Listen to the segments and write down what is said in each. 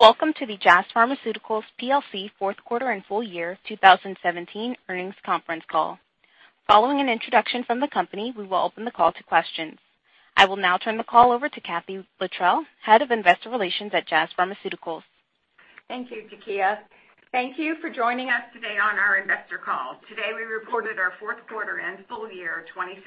Welcome to the Jazz Pharmaceuticals plc Fourth Quarter and Full Year 2017 Earnings Conference Call. Following an introduction from the company, we will open the call to questions. I will now turn the call over to Kathee Littrell, Head of Investor Relations at Jazz Pharmaceuticals. Thank you, Dakia. Thank you for joining us today on our investor call. Today, we reported our Fourth Quarter and Full Year 2017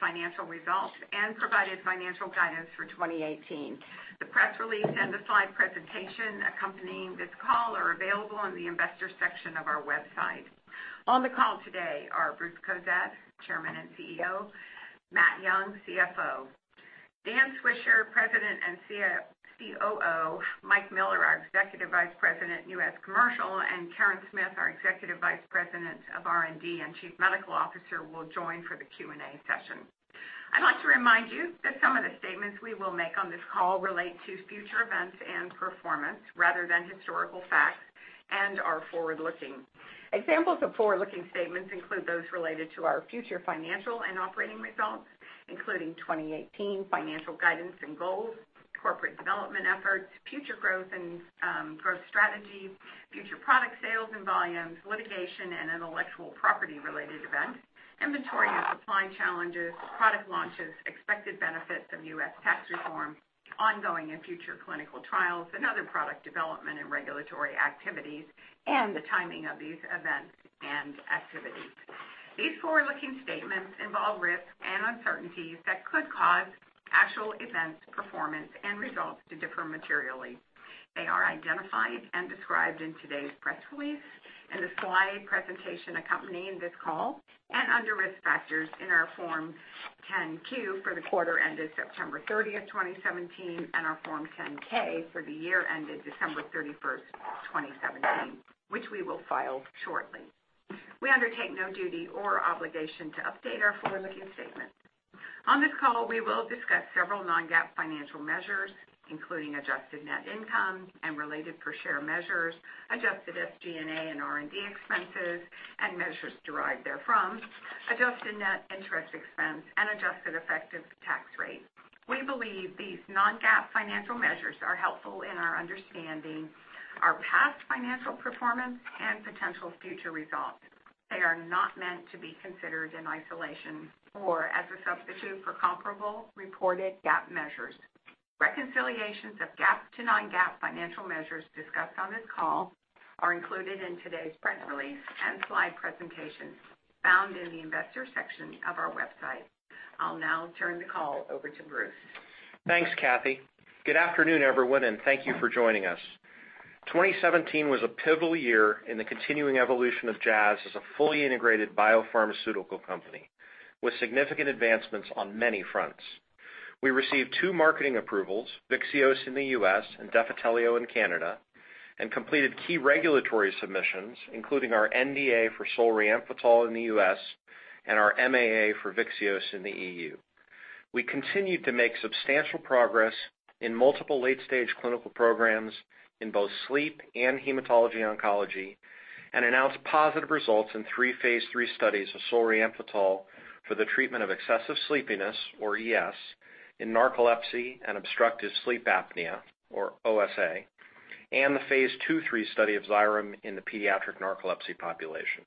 Financial Results and Provided Financial Guidance for 2018. The press release and the slide presentation accompanying this call are available on the investor section of our website. On the call today are Bruce Cozadd, Chairman and CEO, Matt Young, CFO. Dan Swisher, President and COO, Mike Miller, our Executive Vice President, U.S. Commercial, and Karen Smith, our Executive Vice President of R&D and Chief Medical Officer will join for the Q&A session. I'd like to remind you that some of the statements we will make on this call relate to future events and performance rather than historical facts and are forward-looking. Examples of forward-looking statements include those related to our future financial and operating results, including 2018 financial guidance and goals, corporate development efforts, future growth and growth strategy, future product sales and volumes, litigation and intellectual property-related events, inventory and supply challenges, product launches, expected benefits of US tax reform, ongoing and future clinical trials, and other product development and regulatory activities, and the timing of these events and activities. These forward-looking statements involve risks and uncertainties that could cause actual events, performance and results to differ materially. They are identified and described in today's press release, in the slide presentation accompanying this call, and under Risk Factors in our Form 10-Q for the quarter ended September 30, 2017, and our Form 10-K for the year ended December 31, 2017, which we will file shortly. We undertake no duty or obligation to update our forward-looking statements. On this call, we will discuss several non-GAAP financial measures, including adjusted net income and related per share measures, adjusted SG&A and R&D expenses and measures derived therefrom, adjusted net interest expense, and adjusted effective tax rate. We believe these non-GAAP financial measures are helpful in understanding our past financial performance and potential future results. They are not meant to be considered in isolation or as a substitute for comparable reported GAAP measures. Reconciliations of GAAP to non-GAAP financial measures discussed on this call are included in today's press release and slide presentation found in the Investor section of our website. I'll now turn the call over to Bruce. Thanks, Kathee. Good afternoon, everyone, and thank you for joining us. 2017 was a pivotal year in the continuing evolution of Jazz as a fully integrated biopharmaceutical company with significant advancements on many fronts. We received 2 marketing approvals, Vyxeos in the U.S. and Defitelio in Canada, and completed key regulatory submissions, including our NDA for Solriamfetol in the U.S. and our MAA for Vyxeos in the E.U. We continued to make substantial progress in multiple late-stage clinical programs in both sleep and hematology oncology, and announced positive results in 3 phase III studies of Solriamfetol for the treatment of excessive sleepiness, or ES, in narcolepsy and obstructive sleep apnea or OSA, and the phase II-III study of Xyrem in the pediatric narcolepsy population.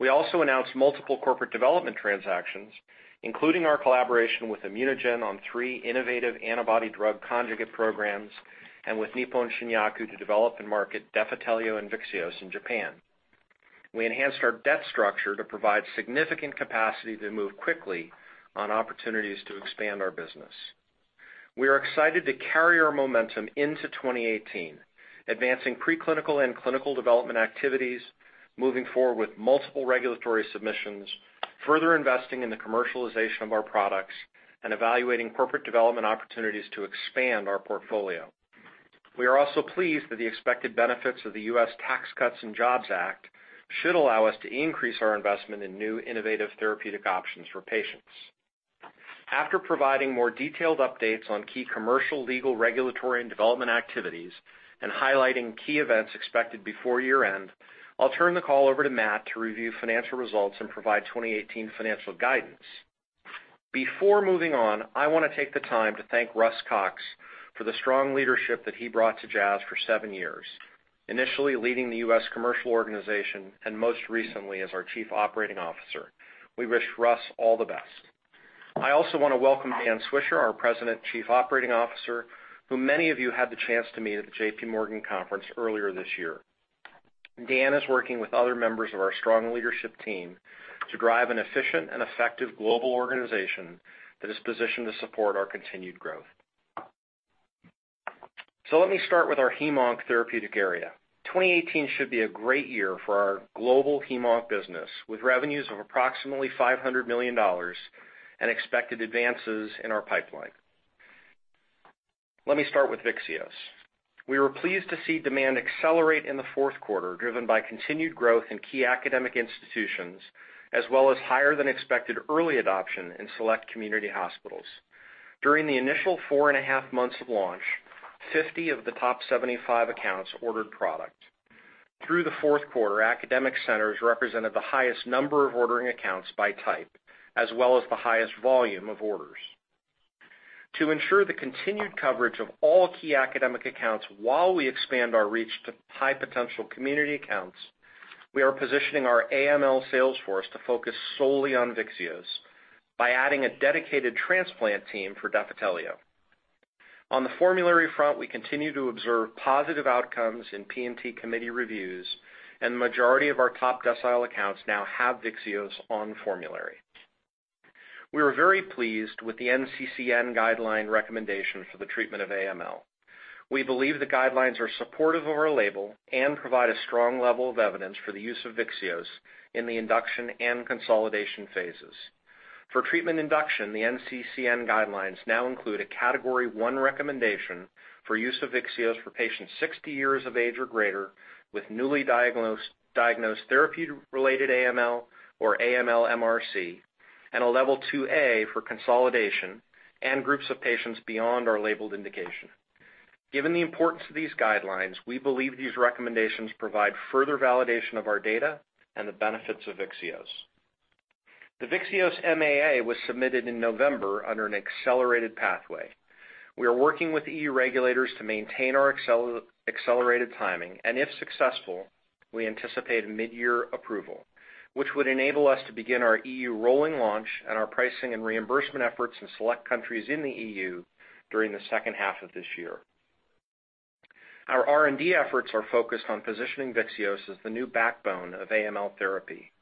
We also announced multiple corporate development transactions, including our collaboration with ImmunoGen on three innovative antibody-drug conjugate programs and with Nippon Shinyaku to develop and market Defitelio and Vyxeos in Japan. We enhanced our debt structure to provide significant capacity to move quickly on opportunities to expand our business. We are excited to carry our momentum into 2018, advancing preclinical and clinical development activities, moving forward with multiple regulatory submissions, further investing in the commercialization of our products, and evaluating corporate development opportunities to expand our portfolio. We are also pleased that the expected benefits of the US Tax Cuts and Jobs Act should allow us to increase our investment in new innovative therapeutic options for patients. After providing more detailed updates on key commercial, legal, regulatory, and development activities and highlighting key events expected before year-end, I'll turn the call over to Matt to review financial results and provide 2018 financial guidance. Before moving on, I wanna take the time to thank Russ Cox for the strong leadership that he brought to Jazz for seven years, initially leading the U.S. commercial organization and most recently as our chief operating officer. We wish Russ all the best. I also wanna welcome Dan Swisher, our President and Chief Operating Officer, who many of you had the chance to meet at the J.P. Morgan Conference earlier this year. Dan is working with other members of our strong leadership team to drive an efficient and effective global organization that is positioned to support our continued growth. Let me start with our hemonc therapeutic area. 2018 should be a great year for our global hem/onc business, with revenues of approximately $500 million and expected advances in our pipeline. Let me start with Vyxeos. We were pleased to see demand accelerate in the fourth quarter, driven by continued growth in key academic institutions, as well as higher than expected early adoption in select community hospitals. During the initial four and a half months of launch, 50 of the top 75 accounts ordered product. Through the fourth quarter, academic centers represented the highest number of ordering accounts by type, as well as the highest volume of orders. To ensure the continued coverage of all key academic accounts while we expand our reach to high potential community accounts, we are positioning our AML sales force to focus solely on Vyxeos by adding a dedicated transplant team for Defitelio. On the formulary front, we continue to observe positive outcomes in P&T committee reviews, and the majority of our top decile accounts now have Vyxeos on formulary. We are very pleased with the NCCN guideline recommendation for the treatment of AML. We believe the guidelines are supportive of our label and provide a strong level of evidence for the use of Vyxeos in the induction and consolidation phases. For treatment induction, the NCCN guidelines now include a Category 1 recommendation for use of Vyxeos for patients 60 years of age or greater with newly diagnosed therapy-related AML or AML-MRC, and a Level 2A for consolidation and groups of patients beyond our labeled indication. Given the importance of these guidelines, we believe these recommendations provide further validation of our data and the benefits of Vyxeos. The Vyxeos MAA was submitted in November under an accelerated pathway. We are working with EU regulators to maintain our accelerated timing, and if successful, we anticipate mid-year approval, which would enable us to begin our EU rolling launch and our pricing and reimbursement efforts in select countries in the EU during the second half of this year. Our R&D efforts are focused on positioning Vyxeos as the new backbone of AML therapy.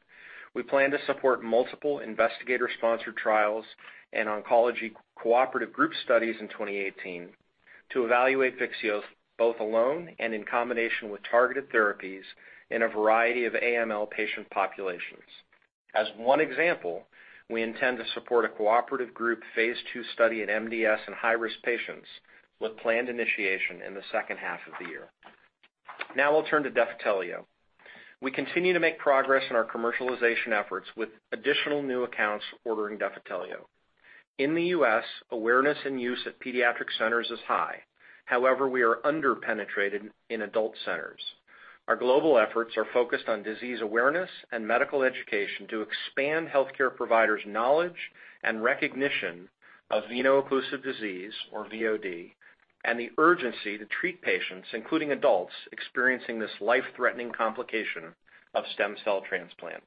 We plan to support multiple investigator-sponsored trials and oncology cooperative group studies in 2018 to evaluate Vyxeos both alone and in combination with targeted therapies in a variety of AML patient populations. As one example, we intend to support a cooperative group phase II study in MDS and high-risk patients with planned initiation in the second half of the year. Now we'll turn to Defitelio. We continue to make progress in our commercialization efforts with additional new accounts ordering Defitelio. In the U.S., awareness and use at pediatric centers is high. However, we are under-penetrated in adult centers. Our global efforts are focused on disease awareness and medical education to expand healthcare providers' knowledge and recognition of veno-occlusive disease, or VOD, and the urgency to treat patients, including adults, experiencing this life-threatening complication of stem cell transplant.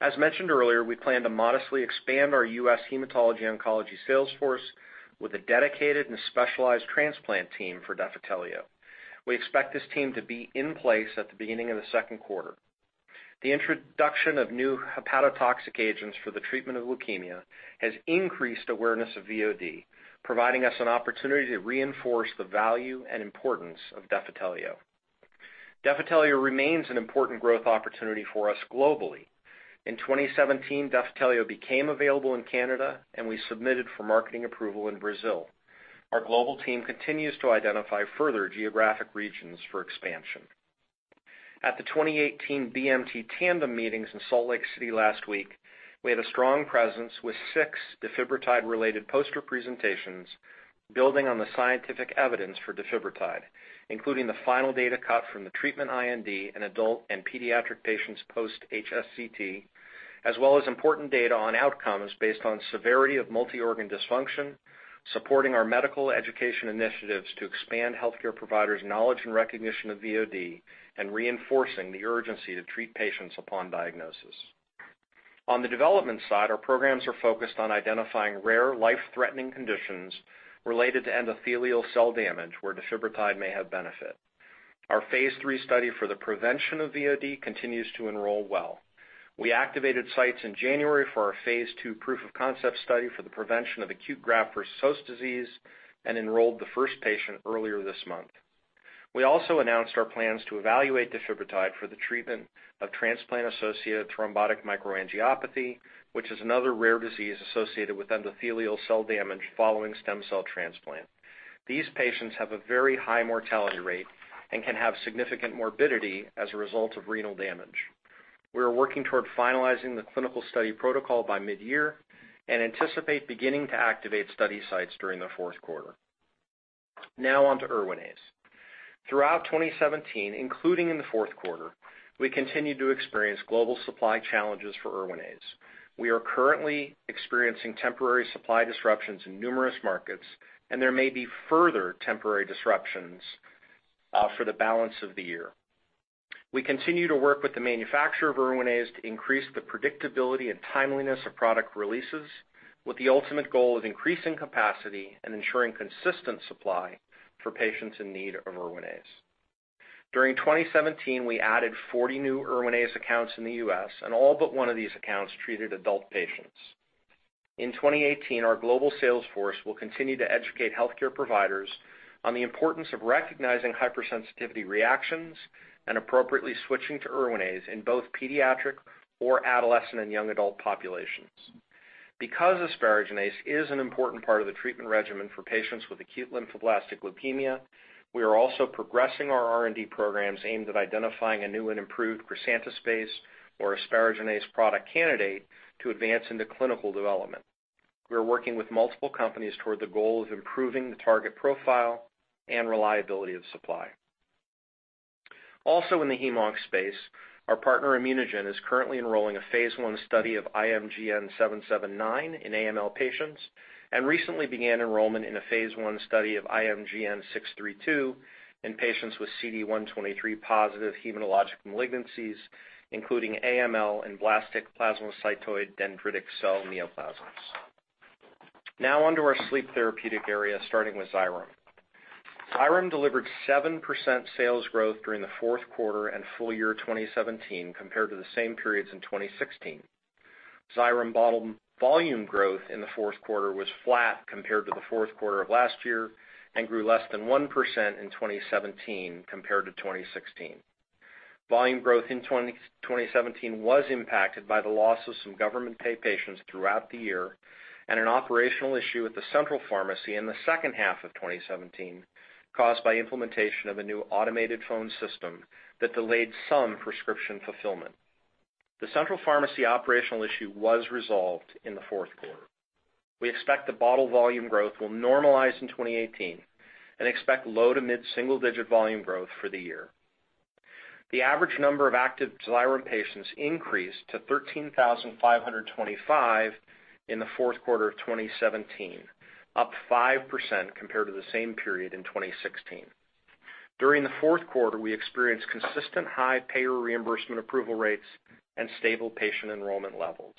As mentioned earlier, we plan to modestly expand our U.S. hematology/oncology sales force with a dedicated and specialized transplant team for Defitelio. We expect this team to be in place at the beginning of the second quarter. The introduction of new hepatotoxic agents for the treatment of leukemia has increased awareness of VOD, providing us an opportunity to reinforce the value and importance of Defitelio. Defitelio remains an important growth opportunity for us globally. In 2017, Defitelio became available in Canada, and we submitted for marketing approval in Brazil. Our global team continues to identify further geographic regions for expansion. At the 2018 BMT Tandem Meetings in Salt Lake City last week, we had a strong presence with six Defibrotide-related poster presentations building on the scientific evidence for Defibrotide, including the final data cut from the treatment IND in adult and pediatric patients post-HSCT, as well as important data on outcomes based on severity of multi-organ dysfunction, supporting our medical education initiatives to expand healthcare providers' knowledge and recognition of VOD and reinforcing the urgency to treat patients upon diagnosis. On the development side, our programs are focused on identifying rare life-threatening conditions related to endothelial cell damage where Defibrotide may have benefit. Our phase III study for the prevention of VOD continues to enroll well. We activated sites in January for our phase II proof of concept study for the prevention of acute graft-versus-host disease and enrolled the first patient earlier this month. We also announced our plans to evaluate Defibrotide for the treatment of transplant-associated thrombotic microangiopathy, which is another rare disease associated with endothelial cell damage following stem cell transplant. These patients have a very high mortality rate and can have significant morbidity as a result of renal damage. We are working toward finalizing the clinical study protocol by mid-year and anticipate beginning to activate study sites during the fourth quarter. Now on to Erwinaze. Throughout 2017, including in the fourth quarter, we continued to experience global supply challenges for Erwinaze. We are currently experiencing temporary supply disruptions in numerous markets, and there may be further temporary disruptions for the balance of the year. We continue to work with the manufacturer of Erwinaze to increase the predictability and timeliness of product releases with the ultimate goal of increasing capacity and ensuring consistent supply for patients in need of Erwinaze. During 2017, we added 40 new Erwinaze accounts in the U.S., and all but one of these accounts treated adult patients. In 2018, our global sales force will continue to educate healthcare providers on the importance of recognizing hypersensitivity reactions and appropriately switching to Erwinaze in both pediatric or adolescent and young adult populations. Because asparaginase is an important part of the treatment regimen for patients with acute lymphoblastic leukemia, we are also progressing our R&D programs aimed at identifying a new and improved crisantaspase or asparaginase product candidate to advance into clinical development. We are working with multiple companies toward the goal of improving the target profile and reliability of supply. Also in the hemonc space, our partner, ImmunoGen, is currently enrolling a phase I study of IMGN-779 in AML patients, and recently began enrollment in a phase I study of IMGN-632 in patients with CD123 positive hematologic malignancies, including AML and blastic plasmacytoid dendritic cell neoplasms. Now on to our sleep therapeutic area, starting with Xyrem. Xyrem delivered 7% sales growth during the fourth quarter and full year 2017 compared to the same periods in 2016. Xyrem bottle volume growth in the fourth quarter was flat compared to the fourth quarter of last year and grew less than 1% in 2017 compared to 2016. Volume growth in 2017 was impacted by the loss of some government pay patients throughout the year and an operational issue with the central pharmacy in the second half of 2017 caused by implementation of a new automated phone system that delayed some prescription fulfillment. The central pharmacy operational issue was resolved in the fourth quarter. We expect the bottle volume growth will normalize in 2018 and expect low to mid single-digit volume growth for the year. The average number of active Xyrem patients increased to 13,525 in the fourth quarter of 2017, up 5% compared to the same period in 2016. During the fourth quarter, we experienced consistent high payer reimbursement approval rates and stable patient enrollment levels.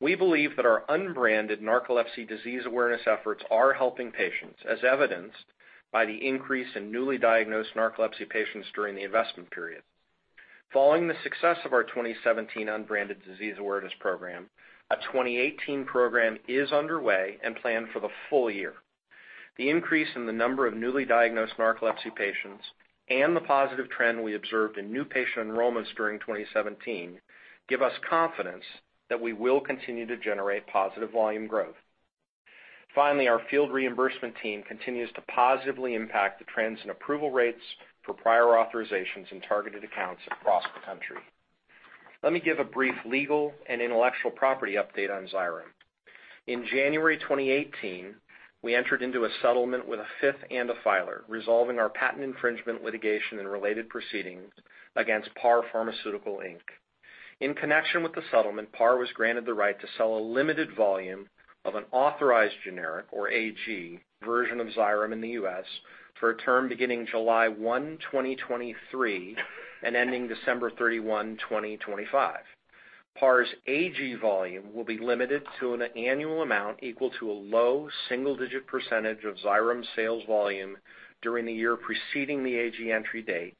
We believe that our unbranded narcolepsy disease awareness efforts are helping patients, as evidenced by the increase in newly diagnosed narcolepsy patients during the investment period. Following the success of our 2017 unbranded disease awareness program, a 2018 program is underway and planned for the full year. The increase in the number of newly diagnosed narcolepsy patients and the positive trend we observed in new patient enrollments during 2017 give us confidence that we will continue to generate positive volume growth. Finally, our field reimbursement team continues to positively impact the trends in approval rates for prior authorizations in targeted accounts across the country. Let me give a brief legal and intellectual property update on Xyrem. In January 2018, we entered into a settlement with a fifth ANDA filer, resolving our patent infringement litigation and related proceedings against Par Pharmaceutical, Inc. In connection with the settlement, Par was granted the right to sell a limited volume of an authorized generic, or AG, version of Xyrem in the U.S. for a term beginning July 1, 2023, and ending December 31, 2025. Par's AG volume will be limited to an annual amount equal to a low single-digit % of Xyrem's sales volume during the year preceding the AG entry date,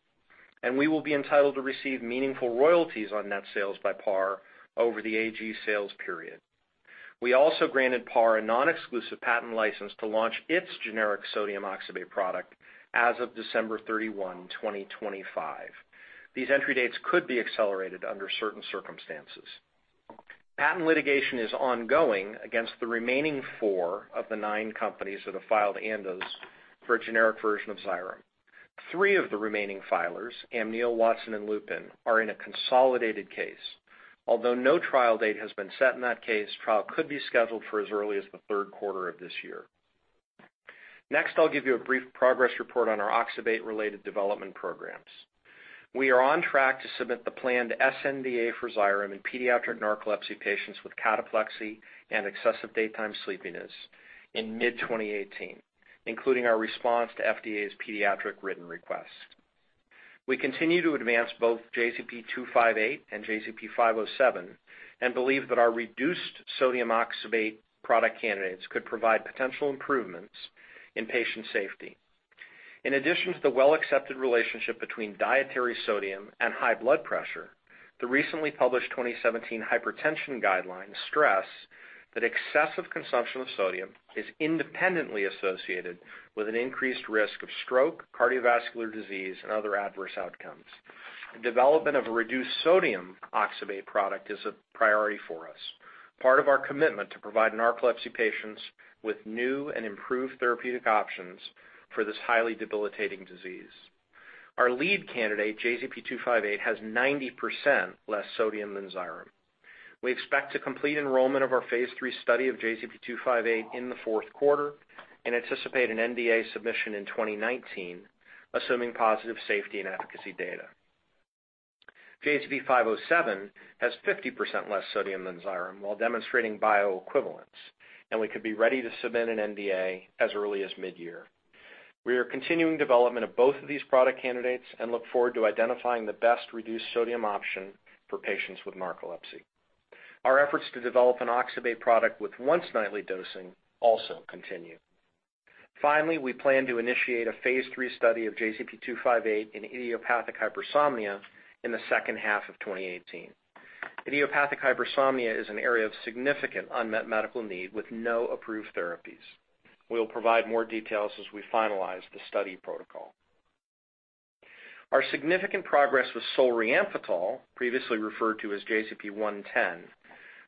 and we will be entitled to receive meaningful royalties on net sales by Par over the AG sales period. We also granted Par a non-exclusive patent license to launch its generic sodium oxybate product as of December 31, 2025. These entry dates could be accelerated under certain circumstances. Patent litigation is ongoing against the remaining four of the nine companies that have filed ANDAs for a generic version of Xyrem. Three of the remaining filers, Amneal, Watson, and Lupin, are in a consolidated case. Although no trial date has been set in that case, trial could be scheduled for as early as the third quarter of this year. Next, I'll give you a brief progress report on our oxybate-related development programs. We are on track to submit the planned sNDA for Xyrem in pediatric narcolepsy patients with cataplexy and excessive daytime sleepiness in mid-2018, including our response to FDA's pediatric written request. We continue to advance both JZP-258 and JZP-507 and believe that our reduced sodium oxybate product candidates could provide potential improvements in patient safety. In addition to the well-accepted relationship between dietary sodium and high blood pressure, the recently published 2017 hypertension guidelines stress that excessive consumption of sodium is independently associated with an increased risk of stroke, cardiovascular disease, and other adverse outcomes. The development of a reduced sodium oxybate product is a priority for us, part of our commitment to provide narcolepsy patients with new and improved therapeutic options for this highly debilitating disease. Our lead candidate, JZP-258, has 90% less sodium than Xyrem. We expect to complete enrollment of our phase III study of JZP-258 in the fourth quarter and anticipate an NDA submission in 2019, assuming positive safety and efficacy data. JZP-507 has 50% less sodium than Xyrem while demonstrating bioequivalence, and we could be ready to submit an NDA as early as midyear. We are continuing development of both of these product candidates and look forward to identifying the best reduced sodium option for patients with narcolepsy. Our efforts to develop an oxybate product with once nightly dosing also continue. Finally, we plan to initiate a phase III study of JZP-258 in idiopathic hypersomnia in the second half of 2018. Idiopathic hypersomnia is an area of significant unmet medical need with no approved therapies. We will provide more details as we finalize the study protocol. Our significant progress with Solriamfetol, previously referred to as JZP-110,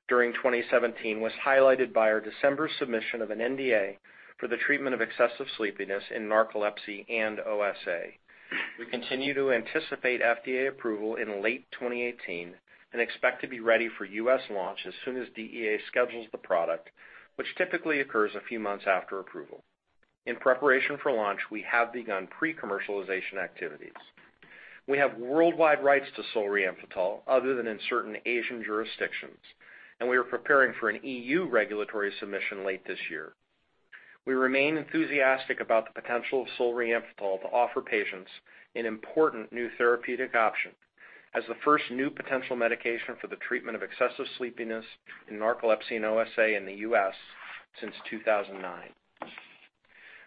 during 2017 was highlighted by our December submission of an NDA for the treatment of excessive sleepiness in narcolepsy and OSA. We continue to anticipate FDA approval in late 2018 and expect to be ready for U.S. launch as soon as DEA schedules the product, which typically occurs a few months after approval. In preparation for launch, we have begun pre-commercialization activities. We have worldwide rights to Solriamfetol other than in certain Asian jurisdictions, and we are preparing for an EU regulatory submission late this year. We remain enthusiastic about the potential of Solriamfetol to offer patients an important new therapeutic option as the first new potential medication for the treatment of excessive sleepiness in narcolepsy and OSA in the U.S. since 2009.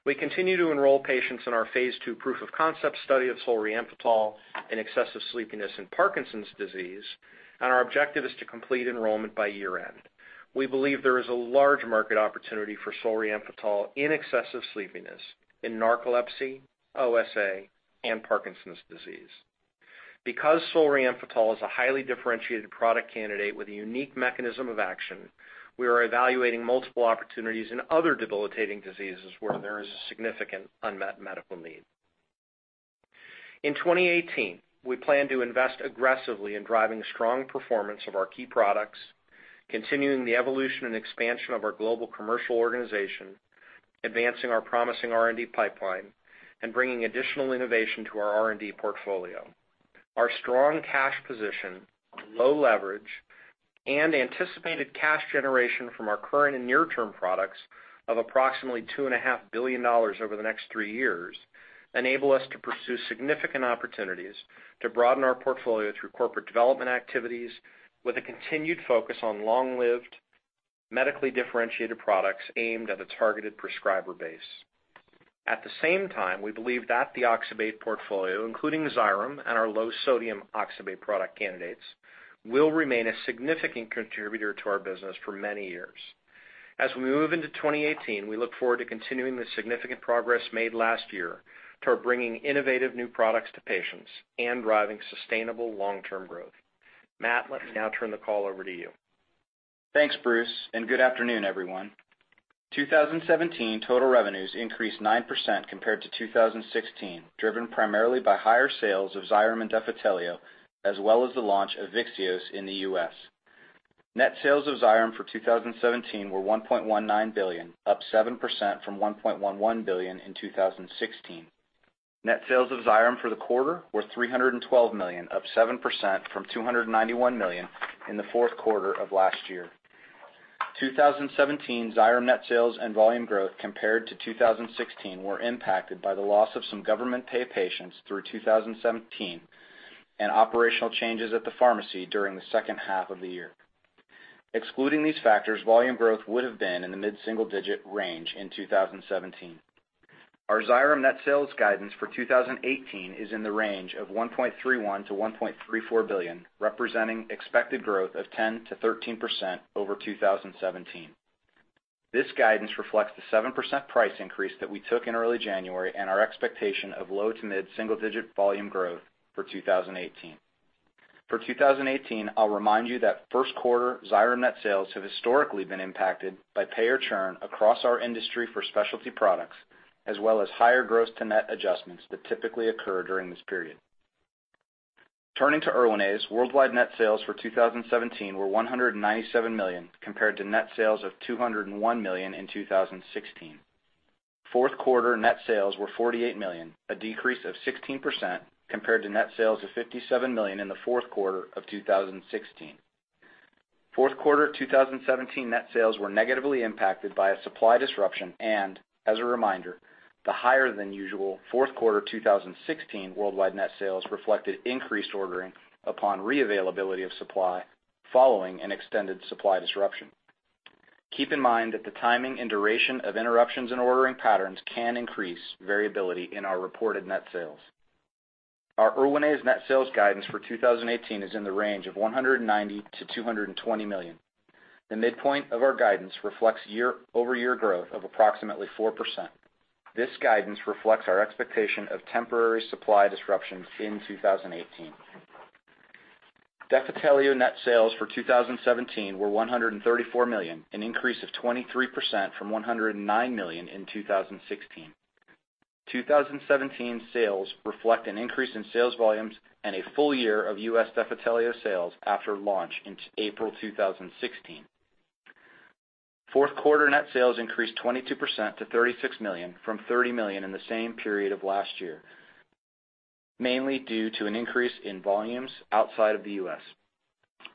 We continue to enroll patients in our phase II proof of concept study of Solriamfetol in excessive sleepiness in Parkinson's disease, and our objective is to complete enrollment by year-end. We believe there is a large market opportunity for Solriamfetol in excessive sleepiness in narcolepsy, OSA, and Parkinson's disease. Because Solriamfetol is a highly differentiated product candidate with a unique mechanism of action, we are evaluating multiple opportunities in other debilitating diseases where there is a significant unmet medical need. In 2018, we plan to invest aggressively in driving strong performance of our key products, continuing the evolution and expansion of our global commercial organization, advancing our promising R&D pipeline, and bringing additional innovation to our R&D portfolio. Our strong cash position, low leverage, and anticipated cash generation from our current and near-term products of approximately $2.5 billion over the next three years enable us to pursue significant opportunities to broaden our portfolio through corporate development activities with a continued focus on long-lived, medically differentiated products aimed at a targeted prescriber base. At the same time, we believe that the oxybate portfolio, including Xyrem and our low-sodium oxybate product candidates, will remain a significant contributor to our business for many years. As we move into 2018, we look forward to continuing the significant progress made last year toward bringing innovative new products to patients and driving sustainable long-term growth. Matt, let me now turn the call over to you. Thanks, Bruce, and good afternoon, everyone. 2017 total revenues increased 9% compared to 2016, driven primarily by higher sales of Xyrem and Defitelio, as well as the launch of Vyxeos in the U.S. Net sales of Xyrem for 2017 were $1.19 billion, up 7% from $1.11 billion in 2016. Net sales of Xyrem for the quarter were $312 million, up 7% from $291 million in the fourth quarter of last year. 2017 Xyrem net sales and volume growth compared to 2016 were impacted by the loss of some government pay patients through 2017 and operational changes at the pharmacy during the second half of the year. Excluding these factors, volume growth would have been in the mid-single-digit range in 2017. Our Xyrem net sales guidance for 2018 is in the range of $1.31-$1.34 billion, representing expected growth of 10%-13% over 2017. This guidance reflects the 7% price increase that we took in early January and our expectation of low to mid-single-digit volume growth for 2018. For 2018, I'll remind you that first quarter Xyrem net sales have historically been impacted by payer churn across our industry for specialty products, as well as higher gross to net adjustments that typically occur during this period. Turning to Erwinaze, worldwide net sales for 2017 were $197 million compared to net sales of $201 million in 2016. Fourth quarter net sales were $48 million, a decrease of 16% compared to net sales of $57 million in the fourth quarter of 2016. Fourth quarter 2017 net sales were negatively impacted by a supply disruption and, as a reminder, the higher than usual fourth quarter 2016 worldwide net sales reflected increased ordering upon reavailability of supply following an extended supply disruption. Keep in mind that the timing and duration of interruptions in ordering patterns can increase variability in our reported net sales. Our Erwinaze net sales guidance for 2018 is in the range of $190 million-$220 million. The midpoint of our guidance reflects year-over-year growth of approximately 4%. This guidance reflects our expectation of temporary supply disruptions in 2018. Defitelio net sales for 2017 were $134 million, an increase of 23% from $109 million in 2016. 2017 sales reflect an increase in sales volumes and a full year of U.S. Defitelio sales after launch in April 2016. Fourth quarter net sales increased 22% to $36 million from $30 million in the same period of last year, mainly due to an increase in volumes outside of the U.S.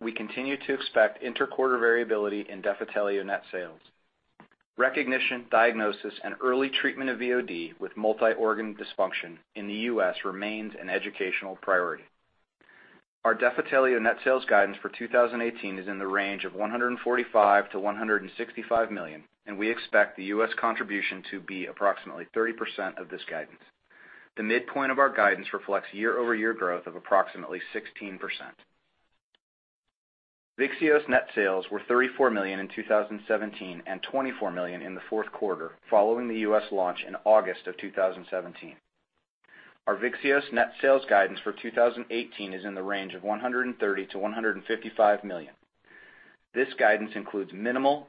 We continue to expect inter-quarter variability in Defitelio net sales. Recognition, diagnosis, and early treatment of VOD with multi-organ dysfunction in the U.S. remains an educational priority. Our Defitelio net sales guidance for 2018 is in the range of $145 million-$165 million, and we expect the U.S. contribution to be approximately 30% of this guidance. The midpoint of our guidance reflects year-over-year growth of approximately 16%. Vyxeos net sales were $34 million in 2017 and $24 million in the fourth quarter following the U.S. launch in August of 2017. Our Vyxeos net sales guidance for 2018 is in the range of $130 million-$155 million. This guidance includes minimal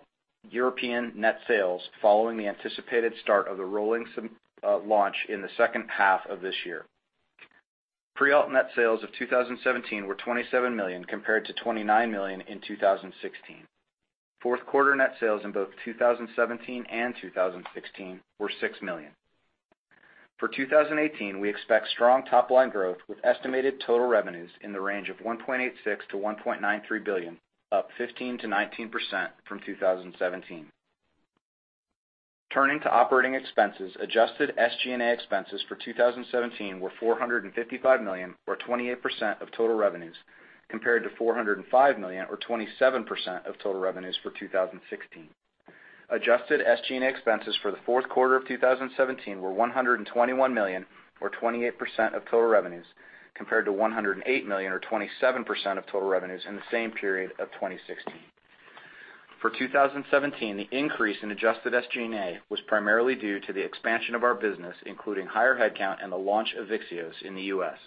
European net sales following the anticipated start of the rolling launch in the second half of this year. Prialt net sales of 2017 were $27 million compared to $29 million in 2016. Fourth quarter net sales in both 2017 and 2016 were $6 million. For 2018, we expect strong top-line growth with estimated total revenues in the range of $1.86 billion-$1.93 billion, up 15%-19% from 2017. Turning to operating expenses, adjusted SG&A expenses for 2017 were $455 million or 28% of total revenues, compared to $405 million or 27% of total revenues for 2016. Adjusted SG&A expenses for the fourth quarter of 2017 were $121 million or 28% of total revenues, compared to $108 million or 27% of total revenues in the same period of 2016. For 2017, the increase in adjusted SG&A was primarily due to the expansion of our business, including higher headcount and the launch of Vyxeos in the US.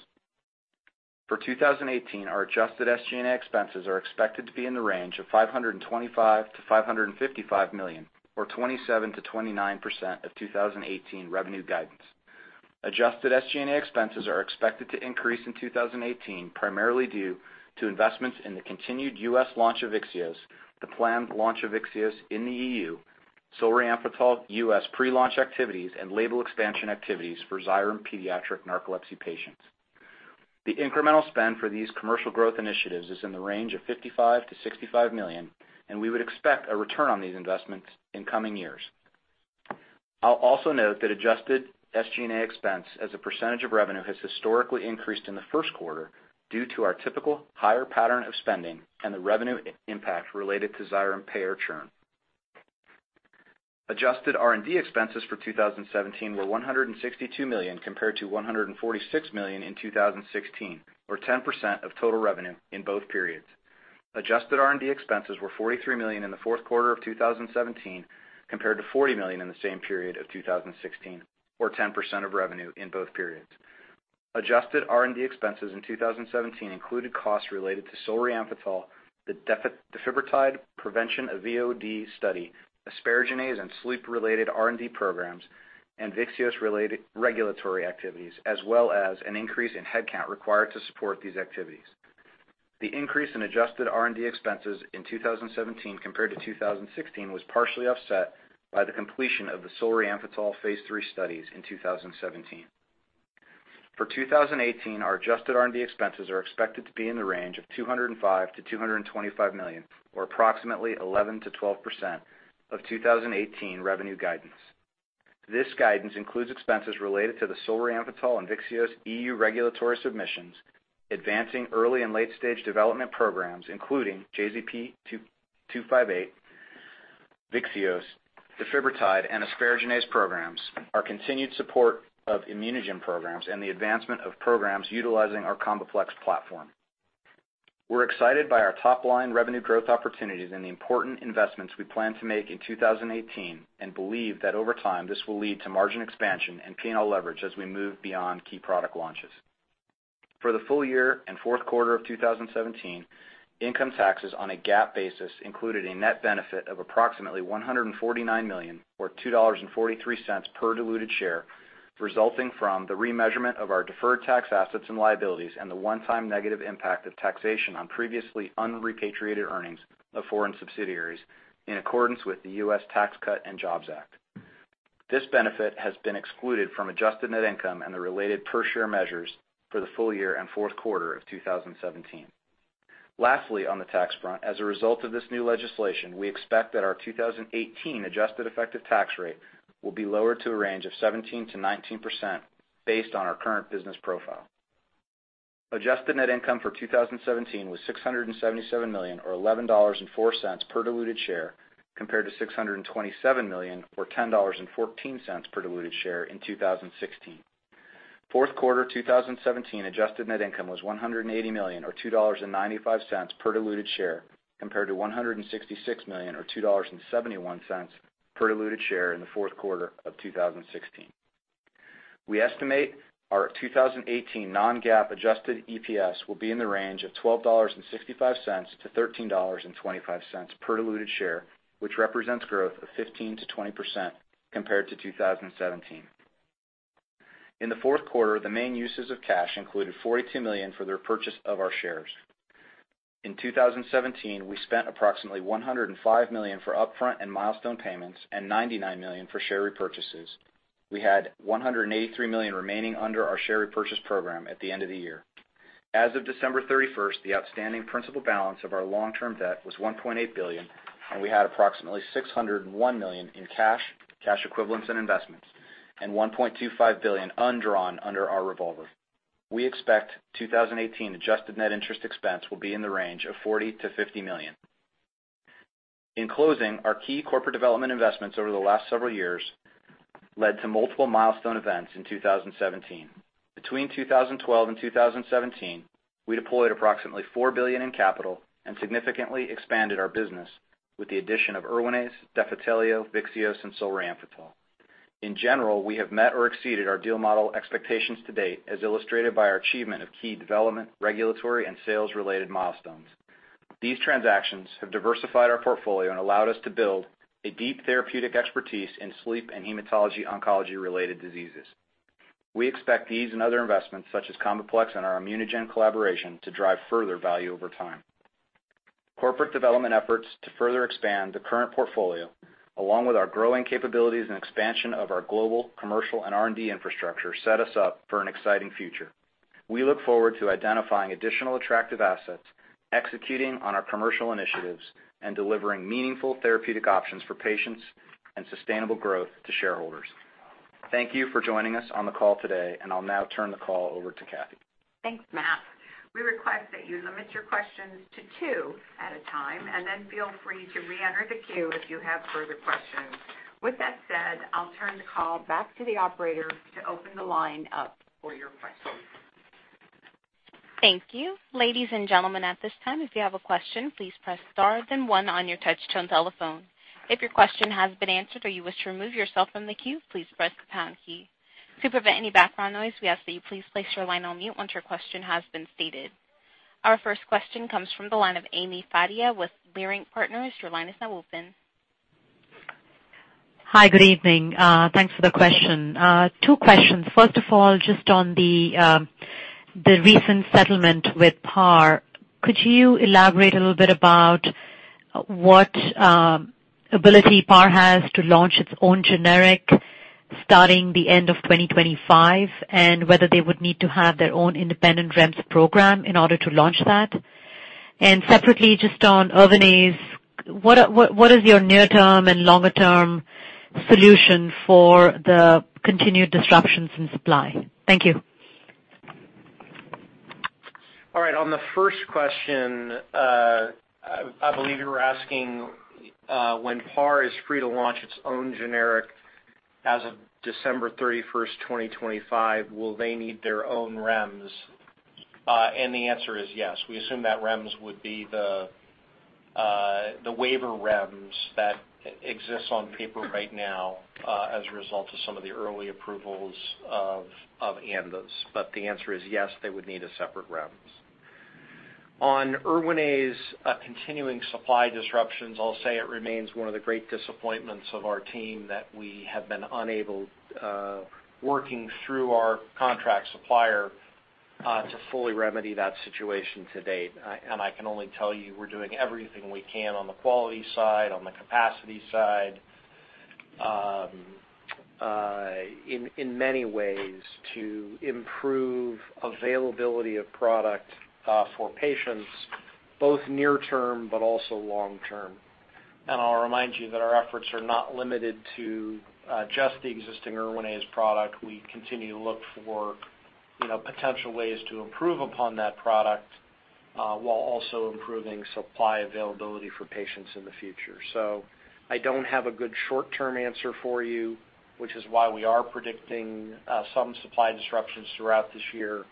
For 2018, our adjusted SG&A expenses are expected to be in the range of $525 million-$555 million, or 27%-29% of 2018 revenue guidance. Adjusted SG&A expenses are expected to increase in 2018, primarily due to investments in the continued US launch of Vyxeos, the planned launch of Vyxeos in the EU, Solriamfetol US pre-launch activities, and label expansion activities for Xyrem pediatric narcolepsy patients. The incremental spend for these commercial growth initiatives is in the range of $55 million-$65 million, and we would expect a return on these investments in coming years. I'll also note that adjusted SG&A expense as a percentage of revenue has historically increased in the first quarter due to our typical higher pattern of spending and the revenue impact related to Xyrem payer churn. Adjusted R&D expenses for 2017 were $162 million compared to $146 million in 2016, or 10% of total revenue in both periods. Adjusted R&D expenses were $43 million in the fourth quarter of 2017 compared to $40 million in the same period of 2016, or 10% of revenue in both periods. Adjusted R&D expenses in 2017 included costs related to Solriamfetol, the Defibrotide prevention of VOD study, asparaginase and sleep-related R&D programs, and Vyxeos-related regulatory activities, as well as an increase in headcount required to support these activities. The increase in adjusted R&D expenses in 2017 compared to 2016 was partially offset by the completion of the Solriamfetol phase III studies in 2017. For 2018, our adjusted R&D expenses are expected to be in the range of $205 million-$225 million, or approximately 11%-12% of 2018 revenue guidance. This guidance includes expenses related to the Solriamfetol and Vyxeos EU regulatory submissions, advancing early and late-stage development programs, including JZP-258, Vyxeos, Defibrotide, and asparaginase programs, our continued support of ImmunoGen programs, and the advancement of programs utilizing our CombiPlex platform. We're excited by our top-line revenue growth opportunities and the important investments we plan to make in 2018 and believe that over time, this will lead to margin expansion and P&L leverage as we move beyond key product launches. For the full year and fourth quarter of 2017, income taxes on a GAAP basis included a net benefit of approximately $149 million, or $2.43 per diluted share, resulting from the remeasurement of our deferred tax assets and liabilities and the one-time negative impact of taxation on previously unrepatriated earnings of foreign subsidiaries in accordance with the Tax Cuts and Jobs Act of 2017. This benefit has been excluded from adjusted net income and the related per share measures for the full year and fourth quarter of 2017. Lastly, on the tax front, as a result of this new legislation, we expect that our 2018 adjusted effective tax rate will be lower to a range of 17%-19% based on our current business profile. Adjusted net income for 2017 was $677 million or $11.04 per diluted share, compared to $627 million or $10.14 per diluted share in 2016. Fourth quarter 2017 adjusted net income was $180 million or $2.95 per diluted share, compared to $166 million or $2.71 per diluted share in the fourth quarter of 2016. We estimate our 2018 non-GAAP adjusted EPS will be in the range of $12.65-$13.25 per diluted share, which represents growth of 15%-20% compared to 2017. In the fourth quarter, the main uses of cash included $42 million for the repurchase of our shares. In 2017, we spent approximately $105 million for upfront and milestone payments and $99 million for share repurchases. We had $183 million remaining under our share repurchase program at the end of the year. As of December 31, the outstanding principal balance of our long-term debt was $1.8 billion, and we had approximately $601 million in cash equivalents, and investments, and $1.25 billion undrawn under our revolver. We expect 2018 adjusted net interest expense will be in the range of $40 million-$50 million. In closing, our key corporate development investments over the last several years led to multiple milestone events in 2017. Between 2012 and 2017, we deployed approximately $4 billion in capital and significantly expanded our business with the addition of Erwinaze, Defitelio, Vyxeos, and Solriamfetol. In general, we have met or exceeded our deal model expectations to date, as illustrated by our achievement of key development, regulatory, and sales-related milestones. These transactions have diversified our portfolio and allowed us to build a deep therapeutic expertise in sleep and hematology oncology related diseases. We expect these and other investments, such as CombiPlex and our ImmunoGen collaboration to drive further value over time. Corporate development efforts to further expand the current portfolio, along with our growing capabilities and expansion of our global commercial and R&D infrastructure set us up for an exciting future. We look forward to identifying additional attractive assets, executing on our commercial initiatives, and delivering meaningful therapeutic options for patients and sustainable growth to shareholders. Thank you for joining us on the call today, and I'll now turn the call over to Kathee. Thanks, Matt. We request that you limit your questions to two at a time, and then feel free to re-enter the queue if you have further questions. With that said, I'll turn the call back to the operator to open the line up for your questions. Thank you. Ladies and gentlemen, at this time, if you have a question, please press star then one on your touchtone telephone. If your question has been answered or you wish to remove yourself from the queue, please press the pound key. To prevent any background noise, we ask that you please place your line on mute once your question has been stated. Our first question comes from the line of Ami Fadia with Leerink Partners. Your line is now open. Hi, good evening. Thanks for the question. Two questions. First of all, just on the recent settlement with Par. Could you elaborate a little bit about what ability Par has to launch its own generic starting the end of 2025, and whether they would need to have their own independent REMS program in order to launch that? Separately, just on Erwinaze, what is your near-term and longer term solution for the continued disruptions in supply? Thank you. All right. On the first question, I believe you were asking, when Par is free to launch its own generic as of December 31, 2025, will they need their own REMS? The answer is yes. We assume that REMS would be the waiver REMS that exists on paper right now, as a result of some of the early approvals of ANDAs. The answer is yes, they would need a separate REMS. On Erwinaze's continuing supply disruptions, I'll say it remains one of the great disappointments of our team that we have been unable, working through our contract supplier, to fully remedy that situation to date. I can only tell you we're doing everything we can on the quality side, on the capacity side, in many ways to improve availability of product, for patients, both near term, but also long term. I'll remind you that our efforts are not limited to just the existing Erwinaze product. We continue to look for, you know, potential ways to improve upon that product, while also improving supply availability for patients in the future. I don't have a good short-term answer for you, which is why we are predicting some supply disruptions throughout this year.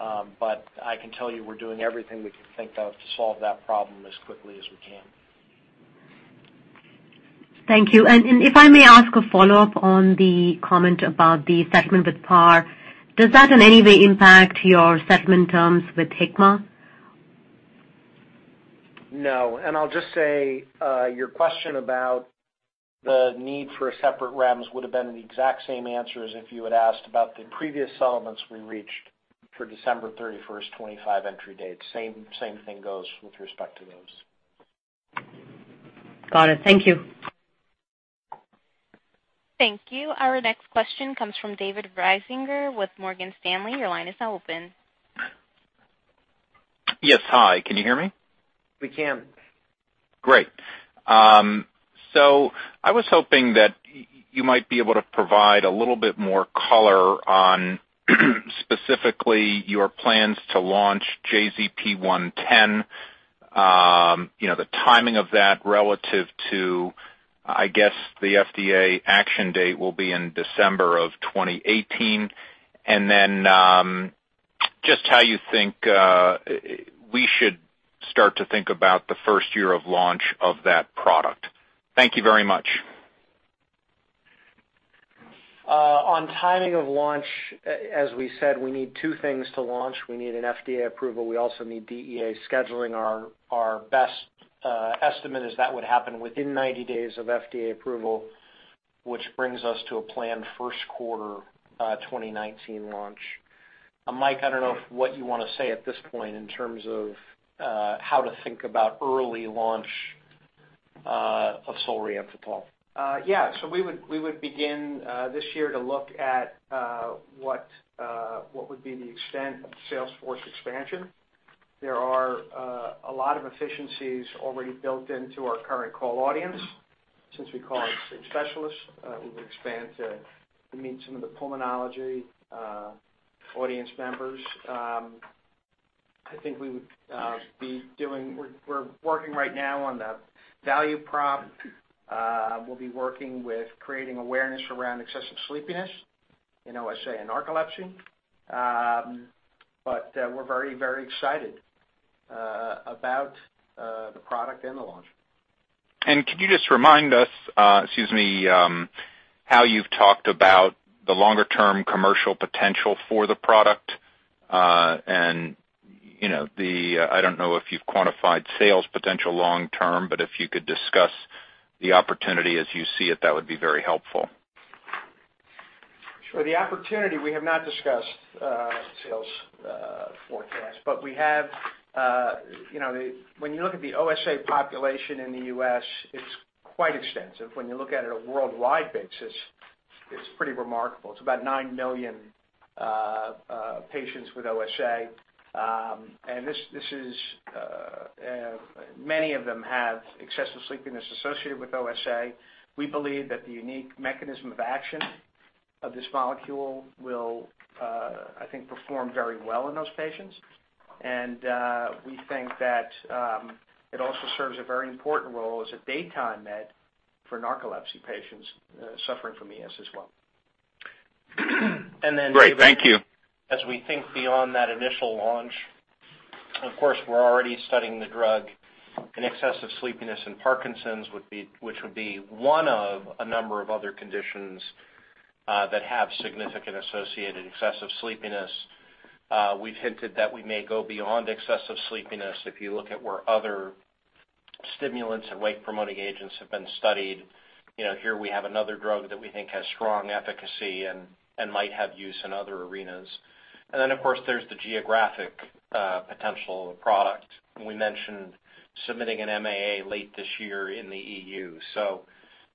I can tell you we're doing everything we can think of to solve that problem as quickly as we can. Thank you. If I may ask a follow-up on the comment about the settlement with Par. Does that in any way impact your settlement terms with Hikma? No. I'll just say, your question about the need for a separate REMS would have been the exact same answer as if you had asked about the previous settlements we reached for December 31, 2025 entry date. Same thing goes with respect to those. Got it. Thank you. Thank you. Our next question comes from David Risinger with Morgan Stanley. Your line is now open. Yes. Hi. Can you hear me? We can. Great. So I was hoping that you might be able to provide a little bit more color on specifically your plans to launch JZP-110. You know, the timing of that relative to, I guess, the FDA action date will be in December of 2018. Just how you think we should start to think about the first year of launch of that product. Thank you very much. On timing of launch, as we said, we need two things to launch. We need an FDA approval. We also need DEA scheduling. Our best estimate is that would happen within 90 days of FDA approval, which brings us to a planned first quarter 2019 launch. Mike, I don't know what you wanna say at this point in terms of how to think about early launch of Solriamfetol. Yeah. We would begin this year to look at what would be the extent of the sales force expansion. There are a lot of efficiencies already built into our current call audience. Since we call on specialists, we would expand to meet some of the pulmonology audience members. I think we're working right now on the value prop. We'll be working on creating awareness around excessive sleepiness in OSA and narcolepsy. We're very, very excited about the product and the launch. Could you just remind us, excuse me, how you've talked about the longer-term commercial potential for the product? You know, I don't know if you've quantified sales potential long term, but if you could discuss the opportunity as you see it, that would be very helpful. Sure. The opportunity, we have not discussed sales forecast, but we have, you know. When you look at the OSA population in the U.S., it's quite extensive. When you look at it a worldwide basis, it's pretty remarkable. It's about 9 million patients with OSA. And this is many of them have excessive sleepiness associated with OSA. We believe that the unique mechanism of action of this molecule will, I think, perform very well in those patients. We think that it also serves a very important role as a daytime med for narcolepsy patients suffering from ES as well. Then. Great. Thank you. As we think beyond that initial launch, of course, we're already studying the drug in excessive sleepiness in Parkinson's, which would be one of a number of other conditions that have significant associated excessive sleepiness. We've hinted that we may go beyond excessive sleepiness if you look at where other stimulants and wake-promoting agents have been studied. You know, here we have another drug that we think has strong efficacy and might have use in other arenas. Then, of course, there's the geographic potential of the product. We mentioned submitting an MAA late this year in the EU.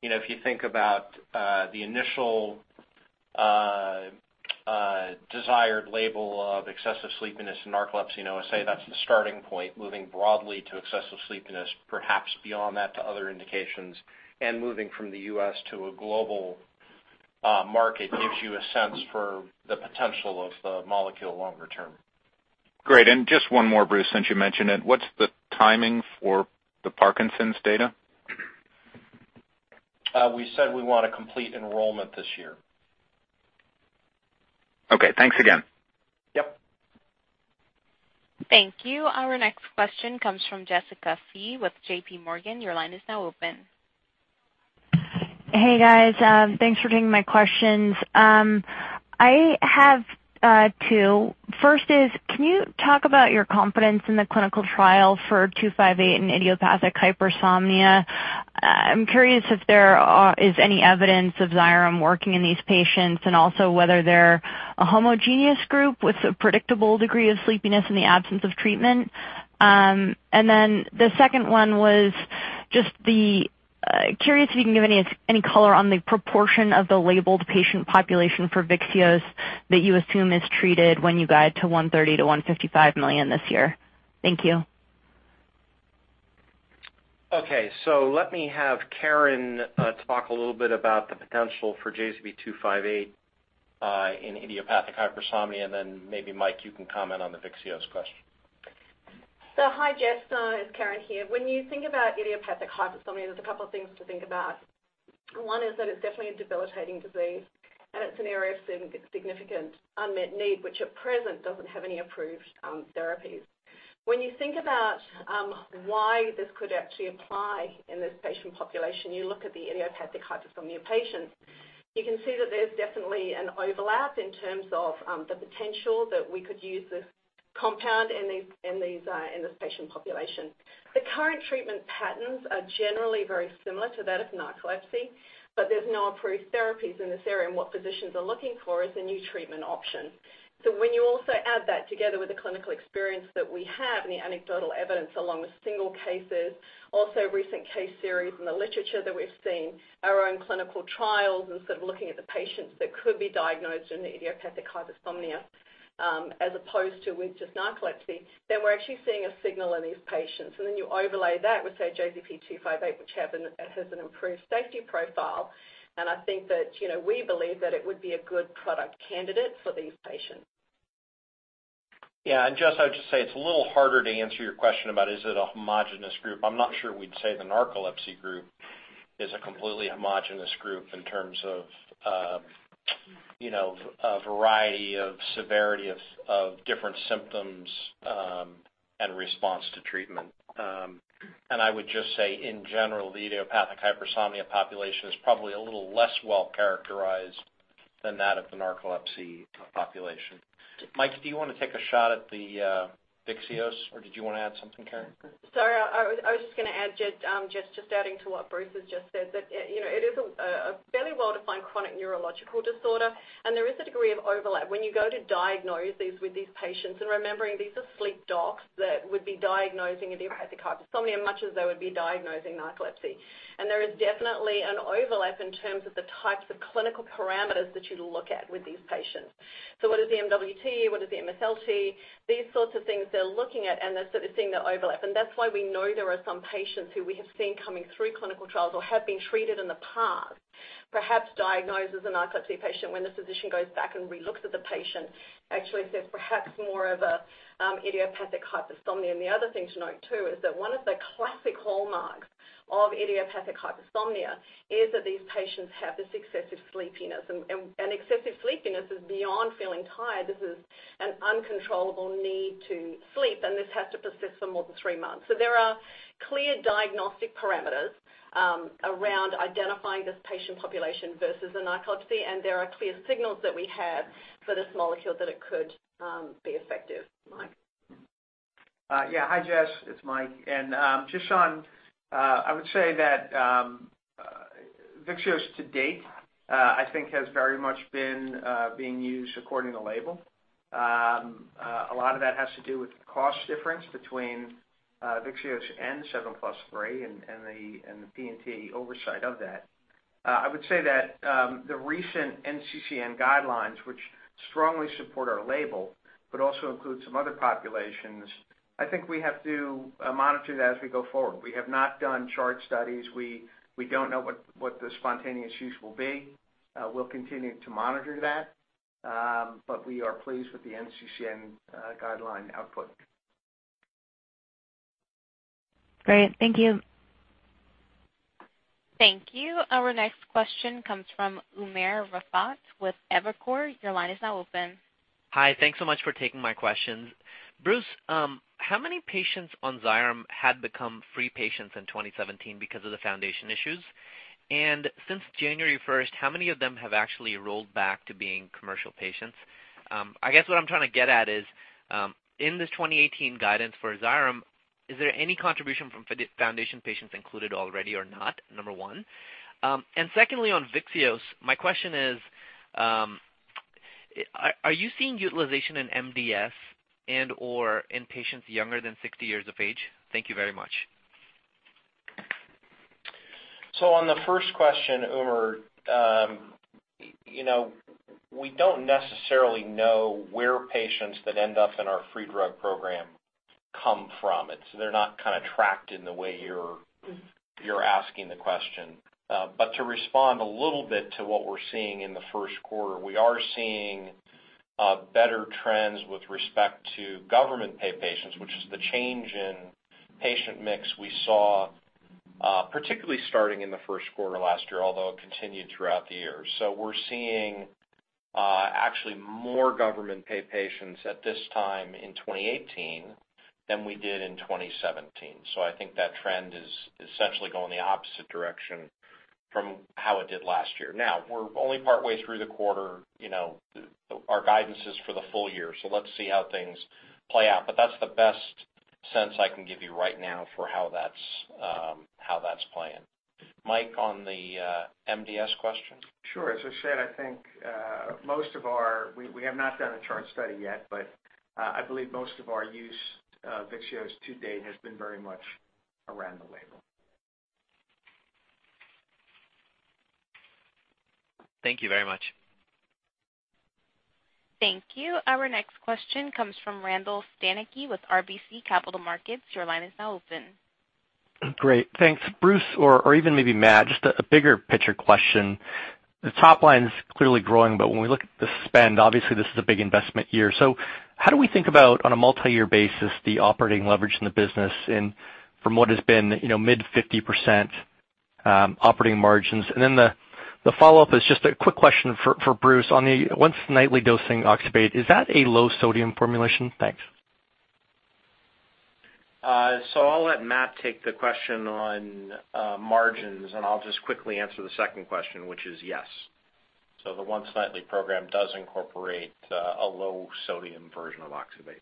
you know, if you think about, the initial, desired label of excessive sleepiness in narcolepsy and OSA, that's the starting point, moving broadly to excessive sleepiness, perhaps beyond that to other indications, and moving from the U.S. to a global market gives you a sense for the potential of the molecule longer term. Great. Just one more, Bruce, since you mentioned it, what's the timing for the Parkinson's data? We said we want to complete enrollment this year. Okay. Thanks again. Yep. Thank you. Our next question comes from Jessica Fye with J.P. Morgan. Your line is now open. Hey, guys. Thanks for taking my questions. I have two. First is, can you talk about your confidence in the clinical trial for 258 in idiopathic hypersomnia? I'm curious if there is any evidence of Xyrem working in these patients and also whether they're a homogeneous group with a predictable degree of sleepiness in the absence of treatment. The second one was just I'm curious if you can give any color on the proportion of the labeled patient population for Vyxeos that you assume is treated when you guide to $130 million-$155 million this year. Thank you. Okay. Let me have Karen talk a little bit about the potential for JZP-258 in idiopathic hypersomnia, and then maybe, Mike, you can comment on the Vyxeos question. Hi, Jessica. It's Karen here. When you think about idiopathic hypersomnia, there's a couple of things to think about. One is that it's definitely a debilitating disease, and it's an area of significant unmet need, which at present doesn't have any approved therapies. When you think about why this could actually apply in this patient population, you look at the idiopathic hypersomnia patients. You can see that there's definitely an overlap in terms of the potential that we could use this compound in this patient population. The current treatment patterns are generally very similar to that of narcolepsy, but there's no approved therapies in this area, and what physicians are looking for is a new treatment option. When you also add that together with the clinical experience that we have and the anecdotal evidence along with single cases, also recent case series in the literature that we've seen, our own clinical trials, and sort of looking at the patients that could be diagnosed in the idiopathic hypersomnia, as opposed to with just narcolepsy, then we're actually seeing a signal in these patients. Then you overlay that with, say, JZP-258, which has an improved safety profile. I think that, you know, we believe that it would be a good product candidate for these patients. Yeah. Jess, I would just say it's a little harder to answer your question about is it a homogeneous group. I'm not sure we'd say the narcolepsy group is a completely homogeneous group in terms of, you know, a variety of severity of different symptoms, and response to treatment. In general, the idiopathic hypersomnia population is probably a little less well-characterized than that of the narcolepsy population. Mike, do you want to take a shot at the Vyxeos, or did you want to add something, Karen? Sorry. I was just gonna add, Jess, just adding to what Bruce has just said, that you know it is a fairly well-defined chronic neurological disorder, and there is a degree of overlap. When you go to diagnose these with these patients, and remembering these are sleep docs that would be diagnosing idiopathic hypersomnia much as they would be diagnosing narcolepsy. There is definitely an overlap in terms of the types of clinical parameters that you look at with these patients. What is the MWT? What is the MSLT? These sorts of things they're looking at, and they're sort of seeing the overlap. That's why we know there are some patients who we have seen coming through clinical trials or have been treated in the past, perhaps diagnosed as a narcolepsy patient, when the physician goes back and relooks at the patient, actually says perhaps more of a, idiopathic hypersomnia. The other thing to note, too, is that one of the classic hallmarks of idiopathic hypersomnia is that these patients have this excessive sleepiness. Excessive sleepiness is beyond feeling tired. This is an uncontrollable need to sleep, and this has to persist for more than three months. So there are clear diagnostic parameters around identifying this patient population versus a narcolepsy, and there are clear signals that we have for this molecule that it could be effective. Mike? Yeah, hi, Jess. It's Mike. Just on, I would say that Vyxeos to date I think has very much been being used according to label. A lot of that has to do with the cost difference between Vyxeos and 7+3 and the P&T oversight of that. I would say that the recent NCCN guidelines, which strongly support our label but also include some other populations, I think we have to monitor that as we go forward. We have not done chart studies. We don't know what the spontaneous use will be. We'll continue to monitor that, but we are pleased with the NCCN guideline output. Great. Thank you. Thank you. Our next question comes from Umer Raffat with Evercore. Your line is now open. Hi. Thanks so much for taking my questions. Bruce, how many patients on Xyrem had become free patients in 2017 because of the foundation issues? Since January 1, how many of them have actually rolled back to being commercial patients? I guess what I'm trying to get at is, in this 2018 guidance for Xyrem, is there any contribution from foundation patients included already or not? Number one. Secondly, on Vyxeos, my question is, are you seeing utilization in MDS and or in patients younger than 60 years of age? Thank you very much. On the first question, Umer, you know, we don't necessarily know where patients that end up in our free drug program come from. They're not kinda tracked in the way you're asking the question. But to respond a little bit to what we're seeing in the first quarter, we are seeing better trends with respect to government pay patients, which is the change in patient mix we saw, particularly starting in the first quarter last year, although it continued throughout the year. We're seeing actually more government pay patients at this time in 2018 than we did in 2017. I think that trend is essentially going the opposite direction from how it did last year. Now, we're only partway through the quarter, you know, our guidance is for the full year, so let's see how things play out. That's the best sense I can give you right now for how that's playing. Mike, on the MDS question. Sure. As I said, I think we have not done a chart study yet, but I believe most of our use of Vyxeos to date has been very much around the label. Thank you very much. Thank you. Our next question comes from Randall Stanicky with RBC Capital Markets. Your line is now open. Great. Thanks. Bruce, or even maybe Matt, just a bigger picture question. The top line's clearly growing, but when we look at the spend, obviously this is a big investment year. How do we think about, on a multi-year basis, the operating leverage in the business and from what has been, you know, mid-50% operating margins? The follow-up is just a quick question for Bruce. On the once nightly dosing Oxybate, is that a low sodium formulation? Thanks. I'll let Matt take the question on margins, and I'll just quickly answer the second question, which is yes. The once nightly program does incorporate a low sodium version of Oxybate.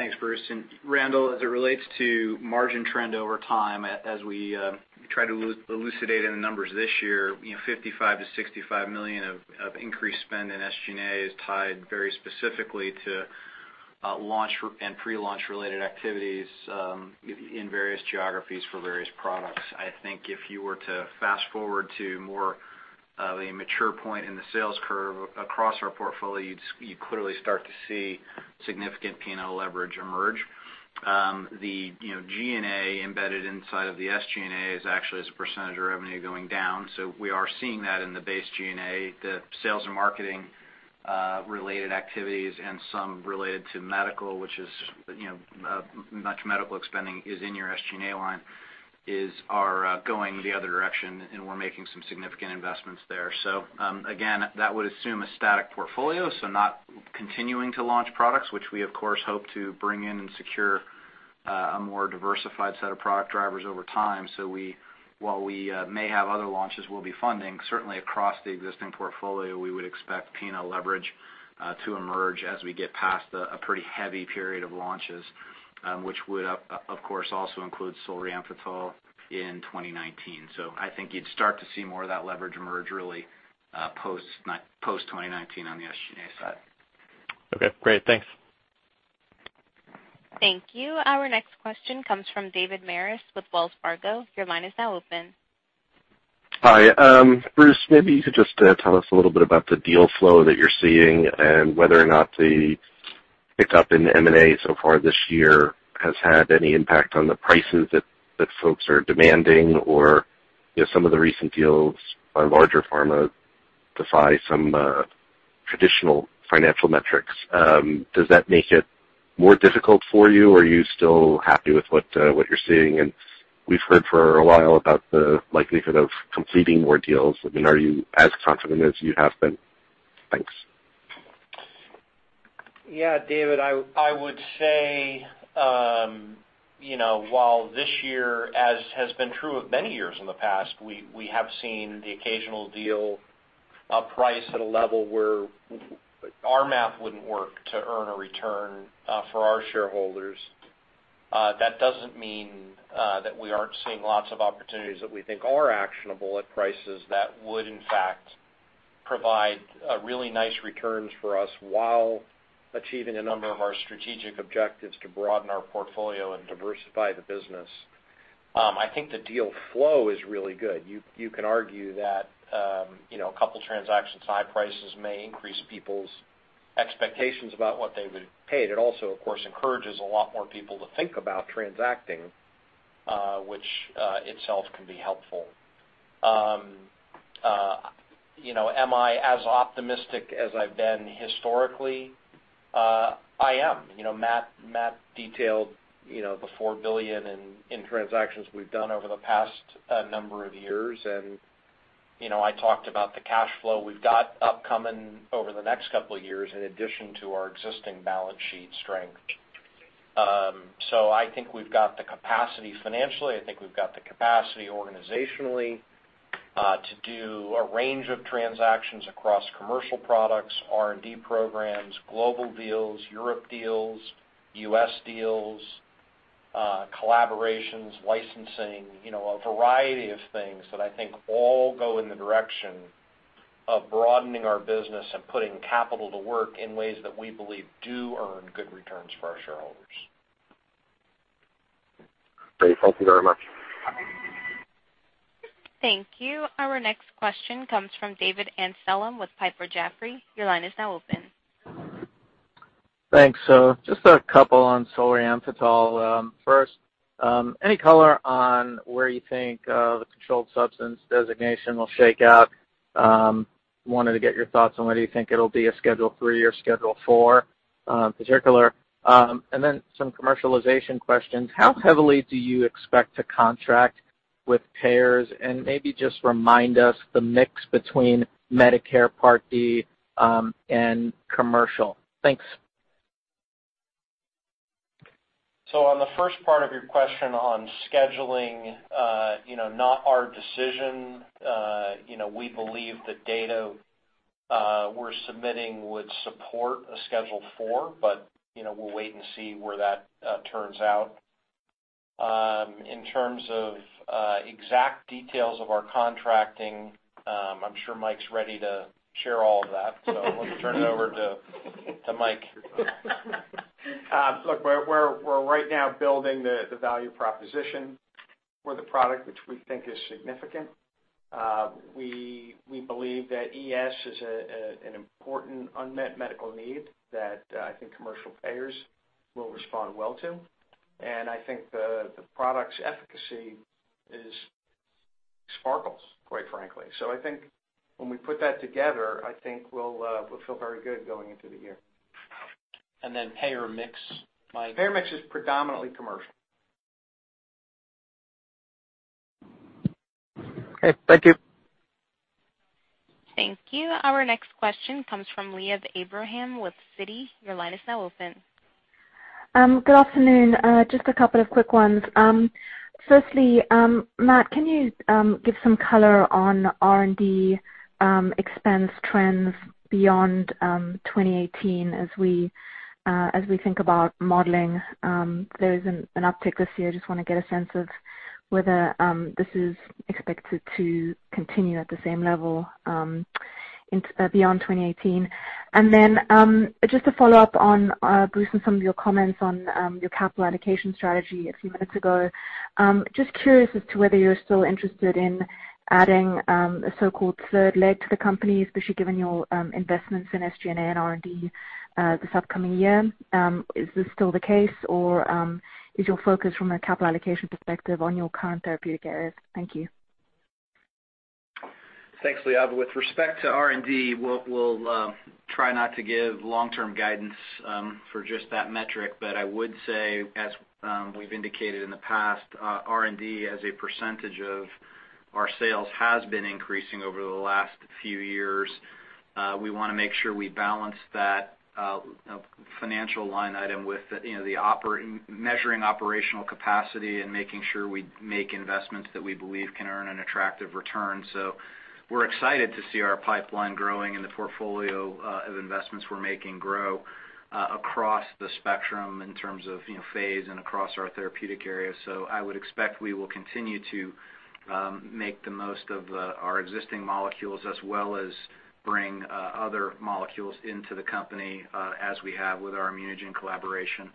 Thanks, Bruce. Randall, as it relates to margin trend over time, as we try to elucidate in the numbers this year, you know, $55-$65 million of increased spend in SG&A is tied very specifically to launch and pre-launch related activities in various geographies for various products. I think if you were to fast-forward to more of a mature point in the sales curve across our portfolio, you'd clearly start to see significant P&L leverage emerge. You know, G&A embedded inside of the SG&A is actually as a percentage of revenue going down. So we are seeing that in the base G&A. The sales and marketing related activities and some related to medical, which is, you know, much medical spending is in your SG&A line, is going the other direction, and we're making some significant investments there. Again, that would assume a static portfolio, so not continuing to launch products which we of course hope to bring in and secure a more diversified set of product drivers over time. While we may have other launches we'll be funding, certainly across the existing portfolio, we would expect P&L leverage to emerge as we get past a pretty heavy period of launches, which would, of course, also include Solriamfetol in 2019. I think you'd start to see more of that leverage emerge really post 2019 on the SG&A side. Okay, great. Thanks. Thank you. Our next question comes from David Maris with Wells Fargo. Your line is now open. Hi. Bruce, maybe you could just tell us a little bit about the deal flow that you're seeing and whether or not the pickup in M&A so far this year has had any impact on the prices that folks are demanding or, you know, some of the recent deals by larger pharma defy some traditional financial metrics. Does that make it more difficult for you, or are you still happy with what you're seeing? We've heard for a while about the likelihood of completing more deals. I mean, are you as confident as you have been? Thanks. Yeah, David, I would say, you know, while this year, as has been true of many years in the past, we have seen the occasional deal at a price at a level where our math wouldn't work to earn a return for our shareholders. That doesn't mean that we aren't seeing lots of opportunities that we think are actionable at prices that would in fact provide really nice returns for us while achieving a number of our strategic objectives to broaden our portfolio and diversify the business. I think the deal flow is really good. You can argue that, you know, a couple transactions, high prices may increase people's expectations about what they would have paid. It also, of course, encourages a lot more people to think about transacting, which itself can be helpful. You know, am I as optimistic as I've been historically? I am. You know, Matt detailed you know, the $4 billion in transactions we've done over the past number of years. You know, I talked about the cash flow we've got upcoming over the next couple of years in addition to our existing balance sheet strength. I think we've got the capacity financially. I think we've got the capacity organizationally to do a range of transactions across commercial products, R&D programs, global deals, Europe deals, U.S. deals, collaborations, licensing, you know, a variety of things that I think all go in the direction of broadening our business and putting capital to work in ways that we believe do earn good returns for our shareholders. Great. Thank you very much. Thank you. Our next question comes from David Amsellem with Piper Jaffray. Your line is now open. Thanks. Just a couple on Solriamfetol. First, any color on where you think the controlled substance designation will shake out? Wanted to get your thoughts on whether you think it'll be a Schedule III or Schedule IV, in particular. Then some commercialization questions. How heavily do you expect to contract with payers? Maybe just remind us the mix between Medicare Part D and commercial. Thanks. On the first part of your question on scheduling, you know, not our decision. You know, we believe the data we're submitting would support a Schedule IV, but you know, we'll wait and see where that turns out. In terms of exact details of our contracting, I'm sure Mike's ready to share all of that. I'll turn it over to Mike. Look, we're right now building the value proposition for the product, which we think is significant. We believe that ES is an important unmet medical need that I think commercial payers will respond well to. I think the product's efficacy is sparkling, quite frankly. I think when we put that together, I think we'll feel very good going into the year. Payer mix, Mike? Payer mix is predominantly commercial. Okay. Thank you. Thank you. Our next question comes from Liav Abraham with Citi. Your line is now open. Good afternoon. Just a couple of quick ones. Firstly, Matt, can you give some color on R&D expense trends beyond 2018 as we think about modeling? There is an uptick this year. Just wanna get a sense of whether this is expected to continue at the same level beyond 2018. Just to follow up on Bruce and some of your comments on your capital allocation strategy a few minutes ago. Just curious as to whether you're still interested in adding a so-called third leg to the company, especially given your investments in SG&A and R&D this upcoming year. Is this still the case or is your focus from a capital allocation perspective on your current therapeutic areas? Thank you. Thanks, Liav. With respect to R&D, we'll try not to give long-term guidance for just that metric. I would say, as we've indicated in the past, R&D as a percentage of our sales has been increasing over the last few years. We wanna make sure we balance that, you know, financial line item with, you know, measuring operational capacity and making sure we make investments that we believe can earn an attractive return. We're excited to see our pipeline growing and the portfolio of investments we're making grow across the spectrum in terms of, you know, phase and across our therapeutic areas. I would expect we will continue to make the most of our existing molecules, as well as bring other molecules into the company as we have with our ImmunoGen collaboration.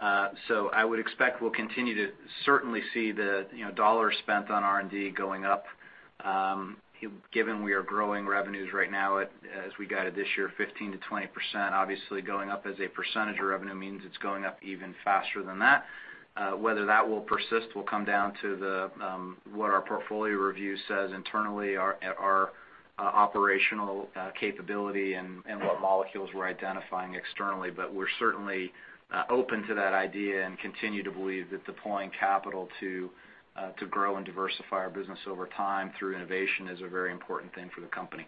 I would expect we'll continue to certainly see the, you know, dollars spent on R&D going up, given we are growing revenues right now at, as we guided this year, 15%-20%. Obviously, going up as a percentage of revenue means it's going up even faster than that. Whether that will persist will come down to what our portfolio review says internally, our operational capability and what molecules we're identifying externally. We're certainly open to that idea and continue to believe that deploying capital to grow and diversify our business over time through innovation is a very important thing for the company.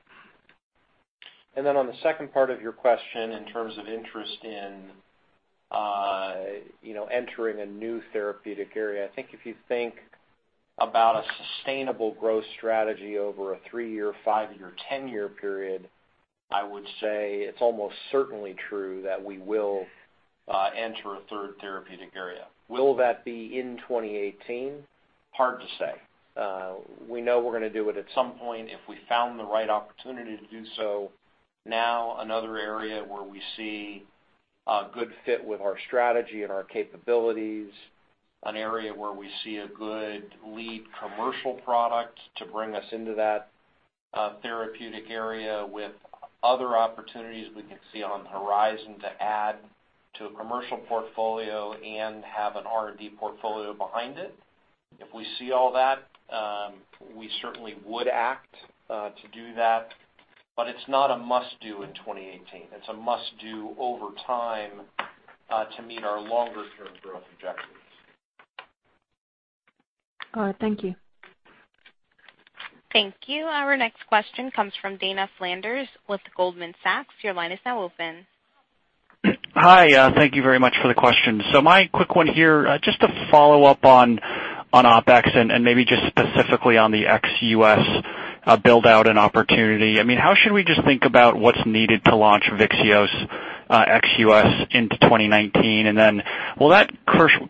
Then on the second part of your question, in terms of interest in, you know, entering a new therapeutic area, I think if you think about a sustainable growth strategy over a three-year, five-year, ten-year period, I would say it's almost certainly true that we will enter a third therapeutic area. Will that be in 2018? Hard to say. We know we're gonna do it at some point if we found the right opportunity to do so. Now another area where we see a good fit with our strategy and our capabilities, an area where we see a good lead commercial product to bring us into that therapeutic area with other opportunities we can see on the horizon to add to a commercial portfolio and have an R&D portfolio behind it. If we see all that, we certainly would act to do that. It's not a must-do in 2018. It's a must-do over time to meet our longer term growth objectives. All right. Thank you. Thank you. Our next question comes from Dana Flanders with Goldman Sachs. Your line is now open. Hi. Thank you very much for the question. My quick one here, just to follow up on OpEx and maybe just specifically on the ex-US, build-out and opportunity. I mean, how should we just think about what's needed to launch Vyxeos, ex-US into 2019? Then will that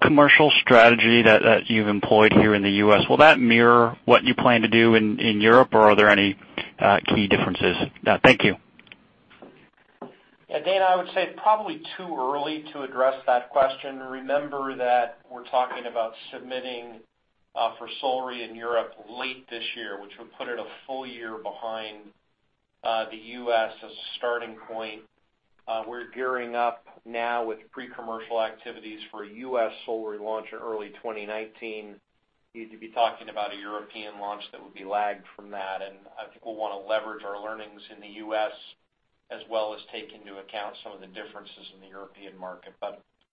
commercial strategy that you've employed here in the US, will that mirror what you plan to do in Europe, or are there any key differences? Thank you. Yeah, Dana, I would say probably too early to address that question. Remember that we're talking about submitting for Solriamfetol in Europe late this year, which would put it a full year behind the U.S. as a starting point. We're gearing up now with pre-commercial activities for a U.S. Solriamfetol launch in early 2019. You'd be talking about a European launch that would be lagged from that. I think we'll wanna leverage our learnings in the U.S. as well as take into account some of the differences in the European market.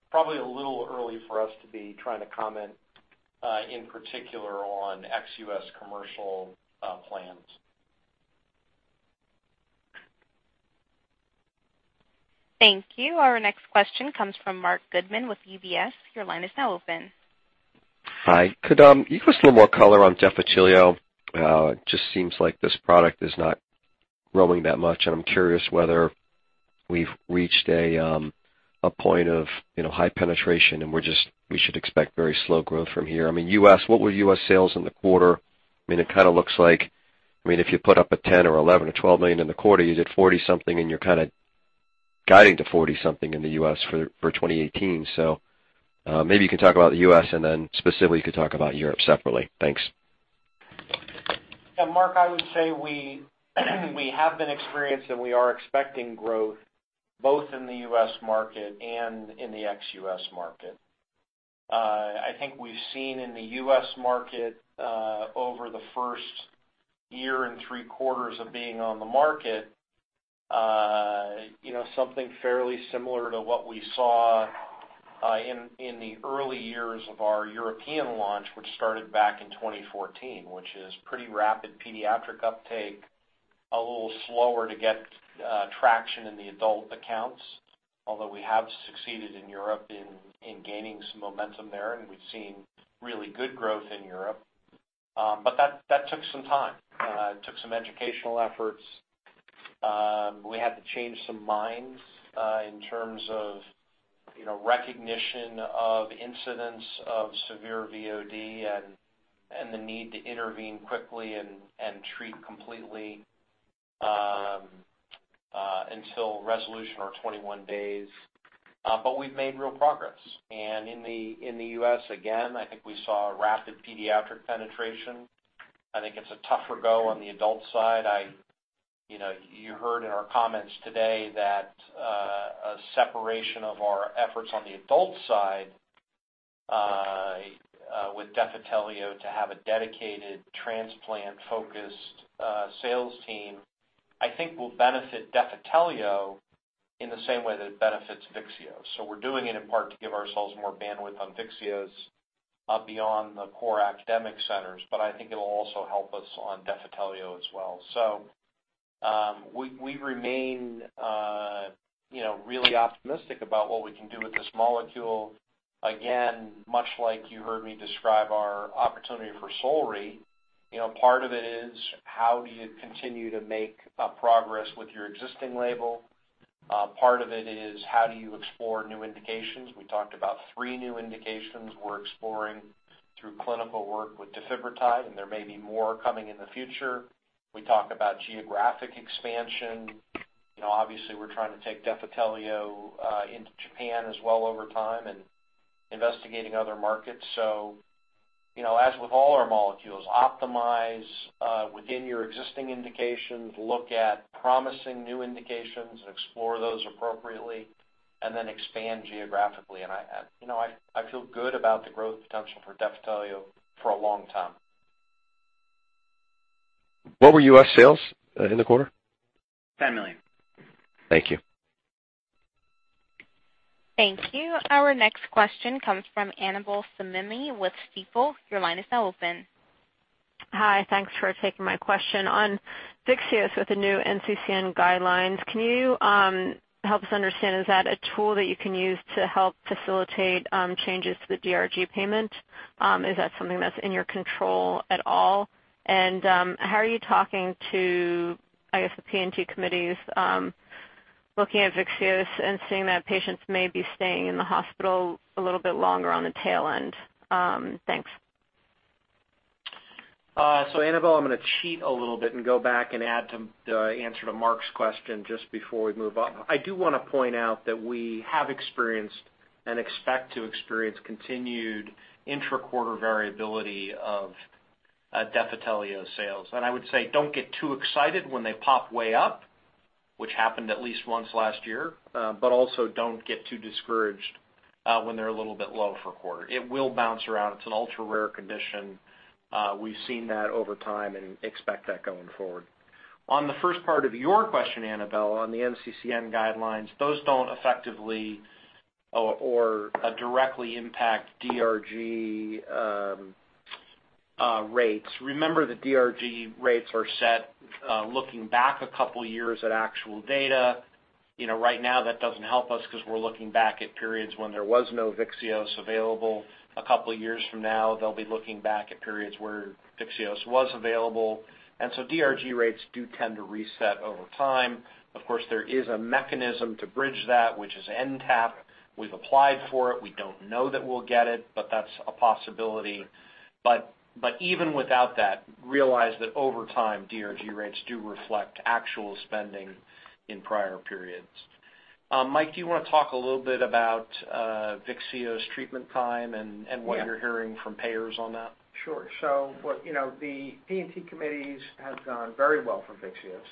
Probably a little early for us to be trying to comment in particular on ex-U.S. commercial plans. Thank you. Our next question comes from Marc Goodman with UBS. Your line is now open. Hi. Could you give us a little more color on Defitelio? It just seems like this product is not growing that much, and I'm curious whether we've reached a point of, you know, high penetration and we should expect very slow growth from here. I mean, U.S., what were U.S. sales in the quarter? I mean, it kinda looks like, I mean, if you put up a $10 or $11 or $12 million in the quarter, you did $40-something, and you're kinda guiding to $40-something in the U.S. for 2018. Maybe you can talk about the U.S. and then specifically you could talk about Europe separately. Thanks. Yeah, Marc, I would say we have been experienced and we are expecting growth both in the U.S. market and in the ex-U.S. market. I think we've seen in the U.S. market, over the first year and three quarters of being on the market, you know, something fairly similar to what we saw, in the early years of our European launch, which started back in 2014, which is pretty rapid pediatric uptake, a little slower to get traction in the adult accounts, although we have succeeded in Europe in gaining some momentum there, and we've seen really good growth in Europe. That took some time. It took some educational efforts. We had to change some minds in terms of, you know, recognition of incidents of severe VOD and the need to intervene quickly and treat completely until resolution or 21 days. We've made real progress. In the U.S., again, I think we saw a rapid pediatric penetration. I think it's a tougher go on the adult side. I, you know, you heard in our comments today that a separation of our efforts on the adult side with Defitelio to have a dedicated transplant-focused sales team, I think will benefit Defitelio in the same way that it benefits Vyxeos. We're doing it in part to give ourselves more bandwidth on Vyxeos beyond the core academic centers, but I think it'll also help us on Defitelio as well. We remain, you know, really optimistic about what we can do with this molecule. Again, much like you heard me describe our opportunity for Solriamfetol, you know, part of it is how do you continue to make progress with your existing label? Part of it is how do you explore new indications? We talked about three new indications we're exploring through clinical work with Defibrotide, and there may be more coming in the future. We talked about geographic expansion. You know, obviously we're trying to take Defitelio into Japan as well over time and investigating other markets. You know, as with all our molecules, optimize within your existing indications, look at promising new indications and explore those appropriately, and then expand geographically. You know, I feel good about the growth potential for Defitelio for a long time. What were U.S. sales in the quarter? $10 million. Thank you. Thank you. Our next question comes from Annabel Samimy with Stifel. Your line is now open. Hi. Thanks for taking my question. On Vyxeos with the new NCCN guidelines, can you help us understand, is that a tool that you can use to help facilitate changes to the DRG payment? Is that something that's in your control at all? How are you talking to, I guess, the P&T committees looking at Vyxeos and seeing that patients may be staying in the hospital a little bit longer on the tail end? Thanks. Annabel, I'm gonna cheat a little bit and go back and add to the answer to Marc's question just before we move on. I do wanna point out that we have experienced and expect to experience continued intra-quarter variability of Defitelio sales. I would say don't get too excited when they pop way up, which happened at least once last year, but also don't get too discouraged when they're a little bit low for a quarter. It will bounce around. It's an ultra-rare condition. We've seen that over time and expect that going forward. On the first part of your question, Annabel, on the NCCN guidelines, those don't effectively or directly impact DRG rates. Remember, the DRG rates are set looking back a couple years at actual data. You know, right now, that doesn't help us 'cause we're looking back at periods when there was no Vyxeos available. A couple years from now, they'll be looking back at periods where Vyxeos was available, and so DRG rates do tend to reset over time. Of course, there is a mechanism to bridge that, which is NTAP. We've applied for it. We don't know that we'll get it, but that's a possibility. Even without that, realize that over time, DRG rates do reflect actual spending in prior periods. Mike, do you wanna talk a little bit about Vyxeos treatment time and what you're hearing from payers on that? Sure. What, you know, the P&T committees have gone very well for Vyxeos,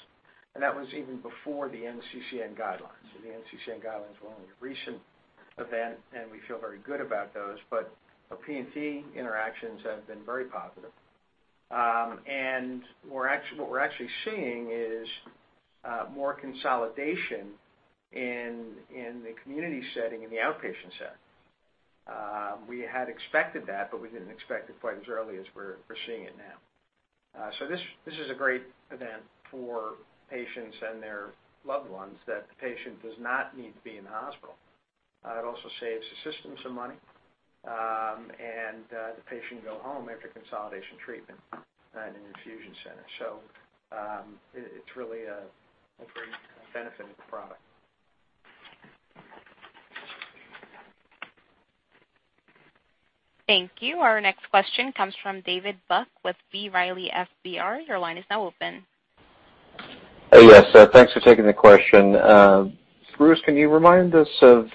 and that was even before the NCCN guidelines. The NCCN guidelines were only a recent event, and we feel very good about those. Our P&T interactions have been very positive. What we're actually seeing is more consolidation in the community setting, in the outpatient setting. We had expected that, but we didn't expect it quite as early as we're seeing it now. This is a great event for patients and their loved ones that the patient does not need to be in the hospital. It also saves the system some money, and the patient can go home after consolidation treatment at an infusion center. It's really a great benefit of the product. Thank you. Our next question comes from David Buck with B. Riley FBR. Your line is now open. Hey, yes. Thanks for taking the question. Bruce, can you remind us of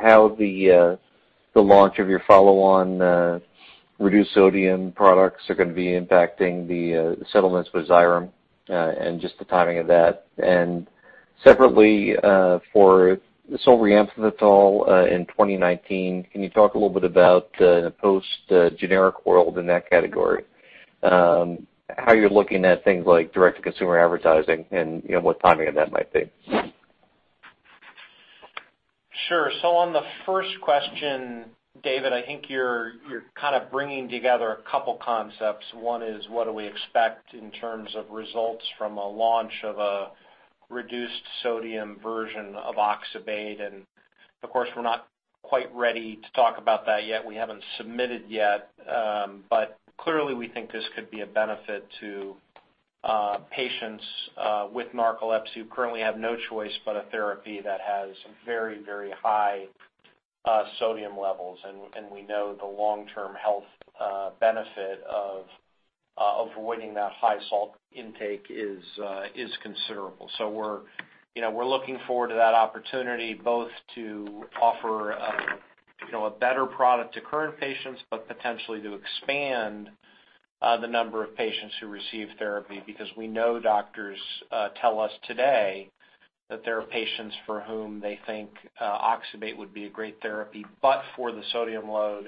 how the launch of your follow-on reduced sodium products are gonna be impacting the settlements with Xyrem and just the timing of that? Separately, for Solriamfetol, in 2019, can you talk a little bit about in a post-generic world in that category how you're looking at things like direct-to-consumer advertising and, you know, what timing of that might be? Sure. On the first question, David, I think you're kind of bringing together a couple concepts. One is what do we expect in terms of results from a launch of a reduced sodium version of Oxybate? Of course, we're not quite ready to talk about that yet. We haven't submitted yet. But clearly, we think this could be a benefit to patients with narcolepsy who currently have no choice but a therapy that has very, very high sodium levels. And we know the long-term health benefit of avoiding that high salt intake is considerable. We're you know looking forward to that opportunity both to offer you know a better product to current patients, but potentially to expand the number of patients who receive therapy because we know doctors tell us today that there are patients for whom they think Oxybate would be a great therapy, but for the sodium load,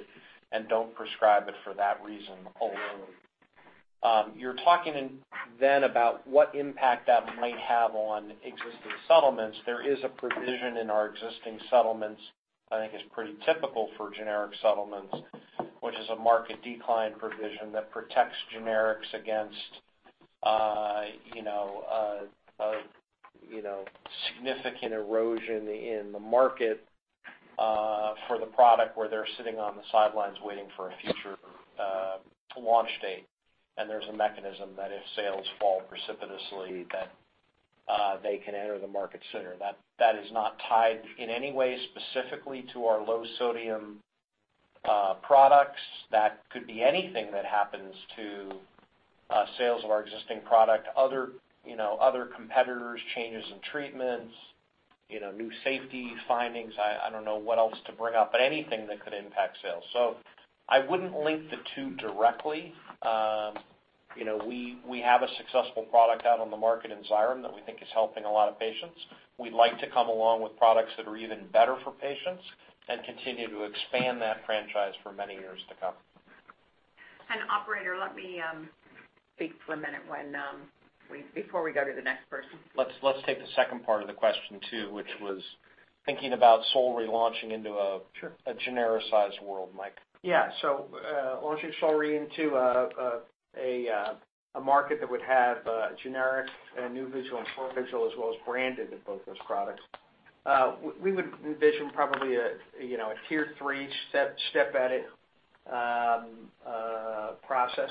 and don't prescribe it for that reason alone. You're talking then about what impact that might have on existing settlements. There is a provision in our existing settlements I think is pretty typical for generic settlements, which is a market decline provision that protects generics against you know significant erosion in the market for the product where they're sitting on the sidelines waiting for a future launch date. There's a mechanism that if sales fall precipitously, that they can enter the market sooner. That is not tied in any way specifically to our low sodium products. That could be anything that happens to sales of our existing product, other, you know, other competitors, changes in treatments, you know, new safety findings. I don't know what else to bring up, but anything that could impact sales. I wouldn't link the two directly. You know, we have a successful product out on the market in Xyrem that we think is helping a lot of patients. We'd like to come along with products that are even better for patients and continue to expand that franchise for many years to come. Operator, let me speak for a minute before we go to the next person. Let's take the second part of the question too, which was thinking about Solriamfetol launching into a- Sure. a genericized world, Mike. Yeah. Launching Solriamfetol into a market that would have generic and Nuvigil and Provigil as well as branded in both those products. We would envision probably a tier three step edit process,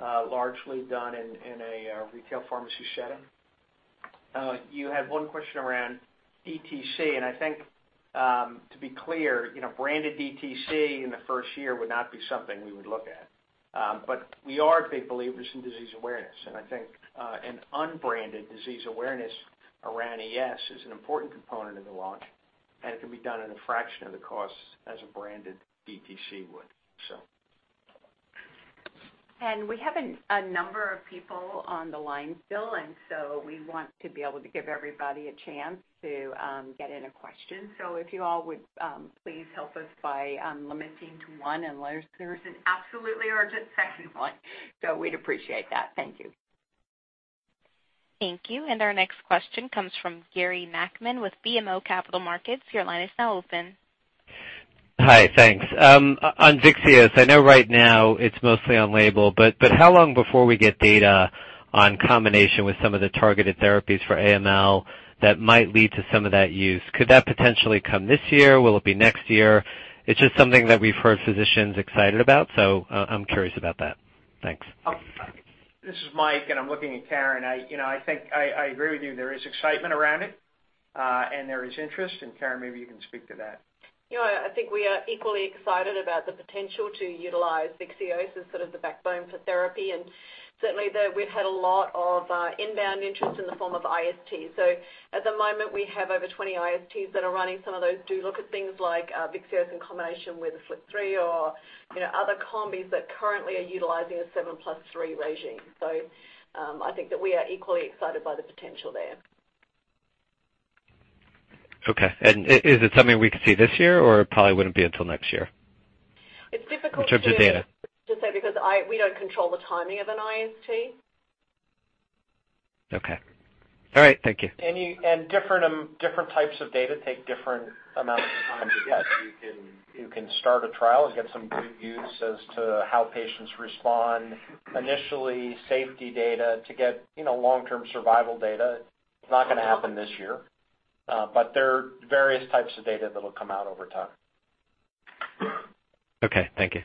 largely done in a retail pharmacy setting. You had one question around DTC, and I think, to be clear, you know, branded DTC in the first year would not be something we would look at. We are big believers in disease awareness. I think, an unbranded disease awareness around ES is an important component of the launch, and it can be done in a fraction of the cost as a branded DTC would. We have a number of people on the line still, and so we want to be able to give everybody a chance to get in a question. If you all would please help us by limiting to one unless there is an absolutely urgent second one. We'd appreciate that. Thank you. Thank you. Our next question comes from Gary Nachman with BMO Capital Markets. Your line is now open. Hi. Thanks. On Vyxeos, I know right now it's mostly on label, but how long before we get data on combination with some of the targeted therapies for AML that might lead to some of that use? Could that potentially come this year? Will it be next year? It's just something that we've heard physicians excited about, so I'm curious about that. Thanks. This is Mike, and I'm looking at Karen. I, you know, I think I agree with you. There is excitement around it, and there is interest. Karen, maybe you can speak to that. You know what? I think we are equally excited about the potential to utilize Vyxeos as sort of the backbone for therapy. Certainly there, we've had a lot of inbound interest in the form of IST. At the moment, we have over 20 ISTs that are running. Some of those do look at things like Vyxeos in combination with the FLT3 or other combis that currently are utilizing a 7+3 regimen. I think that we are equally excited by the potential there. Okay. Is it something we could see this year, or it probably wouldn't be until next year? It's difficult to- In terms of data. to say because we don't control the timing of an IST. Okay. All right. Thank you. Different types of data take different amounts of time to get. You can start a trial and get some good use as to how patients respond. Initially, safety data to get, long-term survival data is not gonna happen this year. There are various types of data that'll come out over time. Okay, thank you.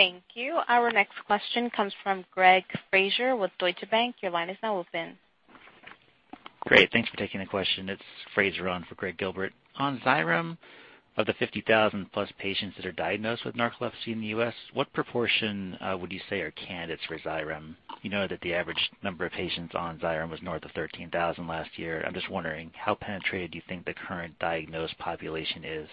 Thank you. Our next question comes from Greg Fraser with Deutsche Bank. Your line is now open. Great. Thanks for taking the question. It's Greg Fraser on for Gregg Gilbert. On Xyrem, of the 50,000+ patients that are diagnosed with narcolepsy in the U.S., what proportion would you say are candidates for Xyrem? You know that the average number of patients on Xyrem was north of 13,000 last year. I'm just wondering, how penetrated do you think the current diagnosed population is?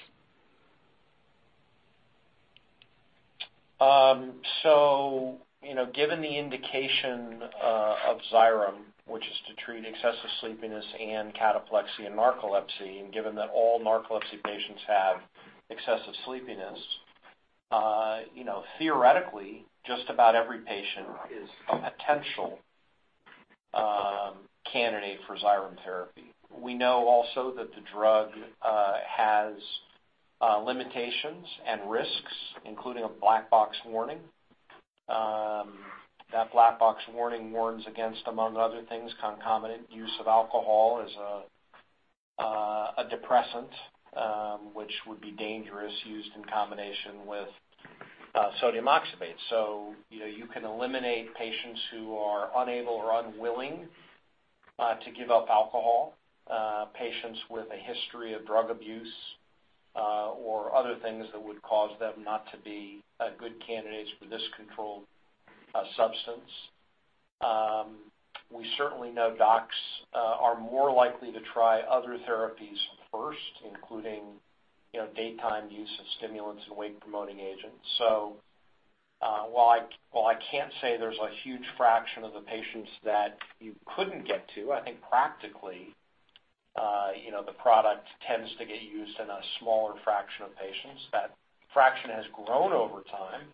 You know, given the indication of Xyrem, which is to treat excessive sleepiness and cataplexy narcolepsy, and given that all narcolepsy patients have excessive sleepiness, you know, theoretically, just about every patient is a potential candidate for Xyrem therapy. We know also that the drug has limitations and risks, including a black box warning. That black box warning warns against, among other things, concomitant use of alcohol as a depressant, which would be dangerous used in combination with sodium oxybate. You know, you can eliminate patients who are unable or unwilling to give up alcohol, patients with a history of drug abuse, or other things that would cause them not to be good candidates for this controlled substance. We certainly know docs are more likely to try other therapies first, including, you know, daytime use of stimulants and wake promoting agents. While I can't say there's a huge fraction of the patients that you couldn't get to, I think practically, you know, the product tends to get used in a smaller fraction of patients. That fraction has grown over time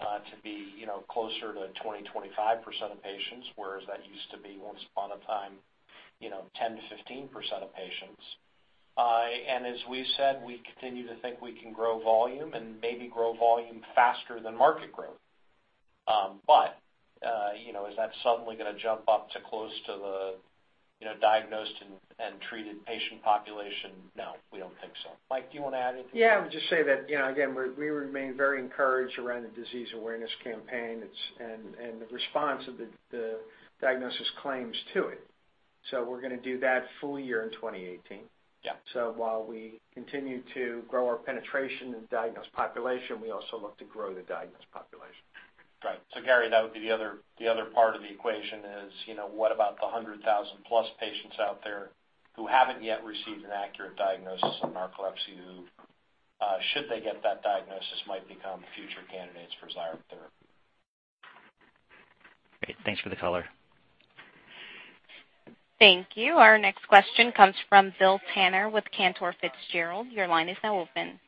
to be, you know, closer to 20-25% of patients, whereas that used to be once upon a time, you know, 10-15% of patients. As we said, we continue to think we can grow volume and maybe grow volume faster than market growth. You know, is that suddenly gonna jump up to close to the, you know, diagnosed and treated patient population? No, we don't think so. Mike, do you wanna add anything? Yeah. I would just say that, you know, again, we remain very encouraged around the disease awareness campaign. It's, and the response of the diagnosis claims to it. We're gonna do that full year in 2018. Yeah. While we continue to grow our penetration in diagnosed population, we also look to grow the diagnosed population. Right. Gary, that would be the other part of the equation is, you know, what about the 100,000+ patients out there who haven't yet received an accurate diagnosis of narcolepsy, who should they get that diagnosis, might become future candidates for Xyrem therapy. Great. Thanks for the color. Thank you. Our next question comes from Bill Tanner with Cantor Fitzgerald. Your line is now open.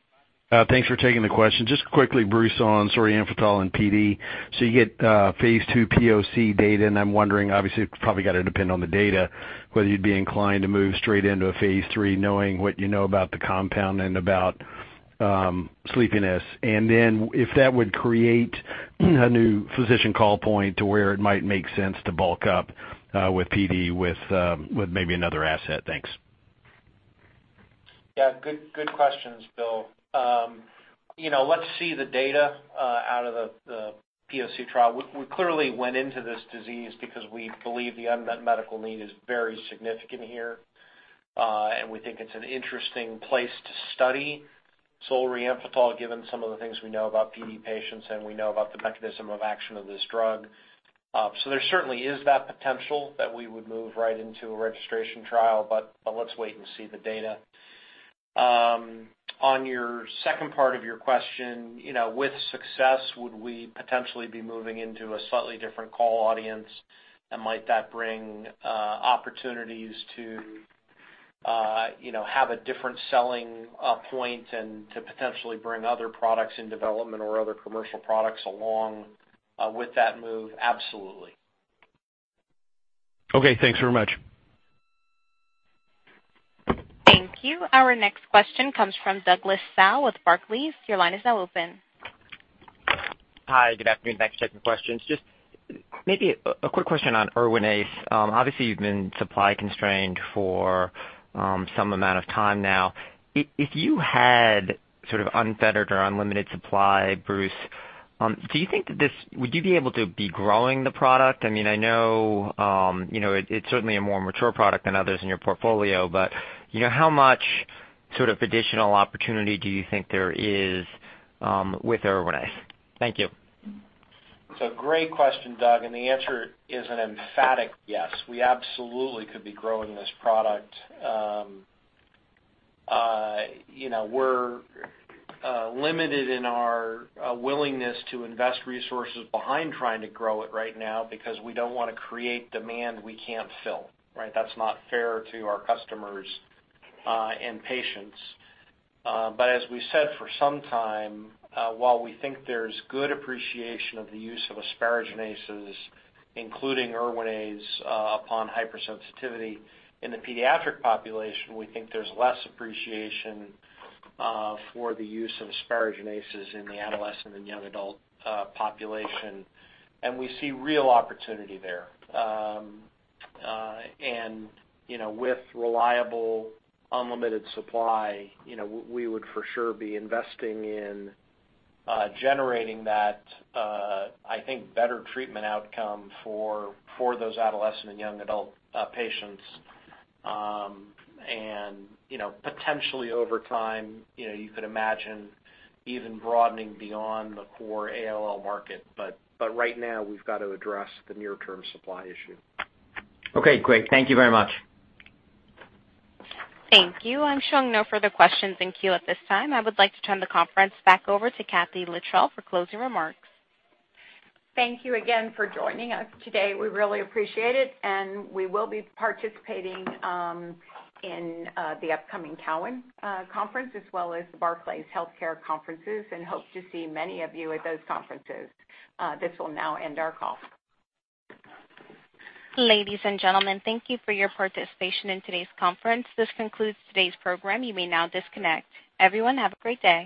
Thanks for taking the question. Just quickly, Bruce, on Solriamfetol and PD. You get phase II POC data, and I'm wondering, obviously, it's probably gonna depend on the data, whether you'd be inclined to move straight into a phase III knowing what you know about the compound and about sleepiness. If that would create a new physician call point to where it might make sense to bulk up with PD with maybe another asset. Thanks. Yeah, good questions, Bill. You know, let's see the data out of the POC trial. We clearly went into this disease because we believe the unmet medical need is very significant here. We think it's an interesting place to study Solriamfetol, given some of the things we know about PD patients, and we know about the mechanism of action of this drug. So there certainly is that potential that we would move right into a registration trial, but let's wait and see the data. On your second part of your question, you know, with success, would we potentially be moving into a slightly different call audience? And might that bring opportunities to you know, have a different selling point and to potentially bring other products in development or other commercial products along with that move? Absolutely. Okay, thanks very much. Thank you. Our next question comes from Douglas Tsao with Barclays. Your line is now open. Hi, good afternoon. Thanks for taking the questions. Just maybe a quick question on Erwinaze. Obviously, you've been supply constrained for some amount of time now. If you had sort of unfettered or unlimited supply, Bruce, do you think that this would you be able to be growing the product? I mean, I know you know, it it's certainly a more mature product than others in your portfolio, but you know, how much sort of additional opportunity do you think there is with Erwinaze? Thank you. It's a great question, Doug, and the answer is an emphatic yes. We absolutely could be growing this product. You know, we're limited in our willingness to invest resources behind trying to grow it right now because we don't wanna create demand we can't fill, right? That's not fair to our customers and patients. As we said for some time, while we think there's good appreciation of the use of asparaginases, including Erwinaze, upon hypersensitivity in the pediatric population, we think there's less appreciation for the use of asparaginases in the adolescent and young adult population, and we see real opportunity there. You know, with reliable, unlimited supply, you know, we would for sure be investing in generating that, I think better treatment outcome for those adolescent and young adult patients. You know, potentially over time, you know, you could imagine even broadening beyond the core ALL market, but right now we've got to address the near term supply issue. Okay, great. Thank you very much. Thank you. I'm showing no further questions in queue at this time. I would like to turn the conference back over to Kathee Littrell for closing remarks. Thank you again for joining us today. We really appreciate it, and we will be participating in the upcoming Cowen conference, as well as the Barclays Healthcare conferences, and hope to see many of you at those conferences. This will now end our call. Ladies and gentlemen, thank you for your participation in today's conference. This concludes today's program. You may now disconnect. Everyone, have a great day.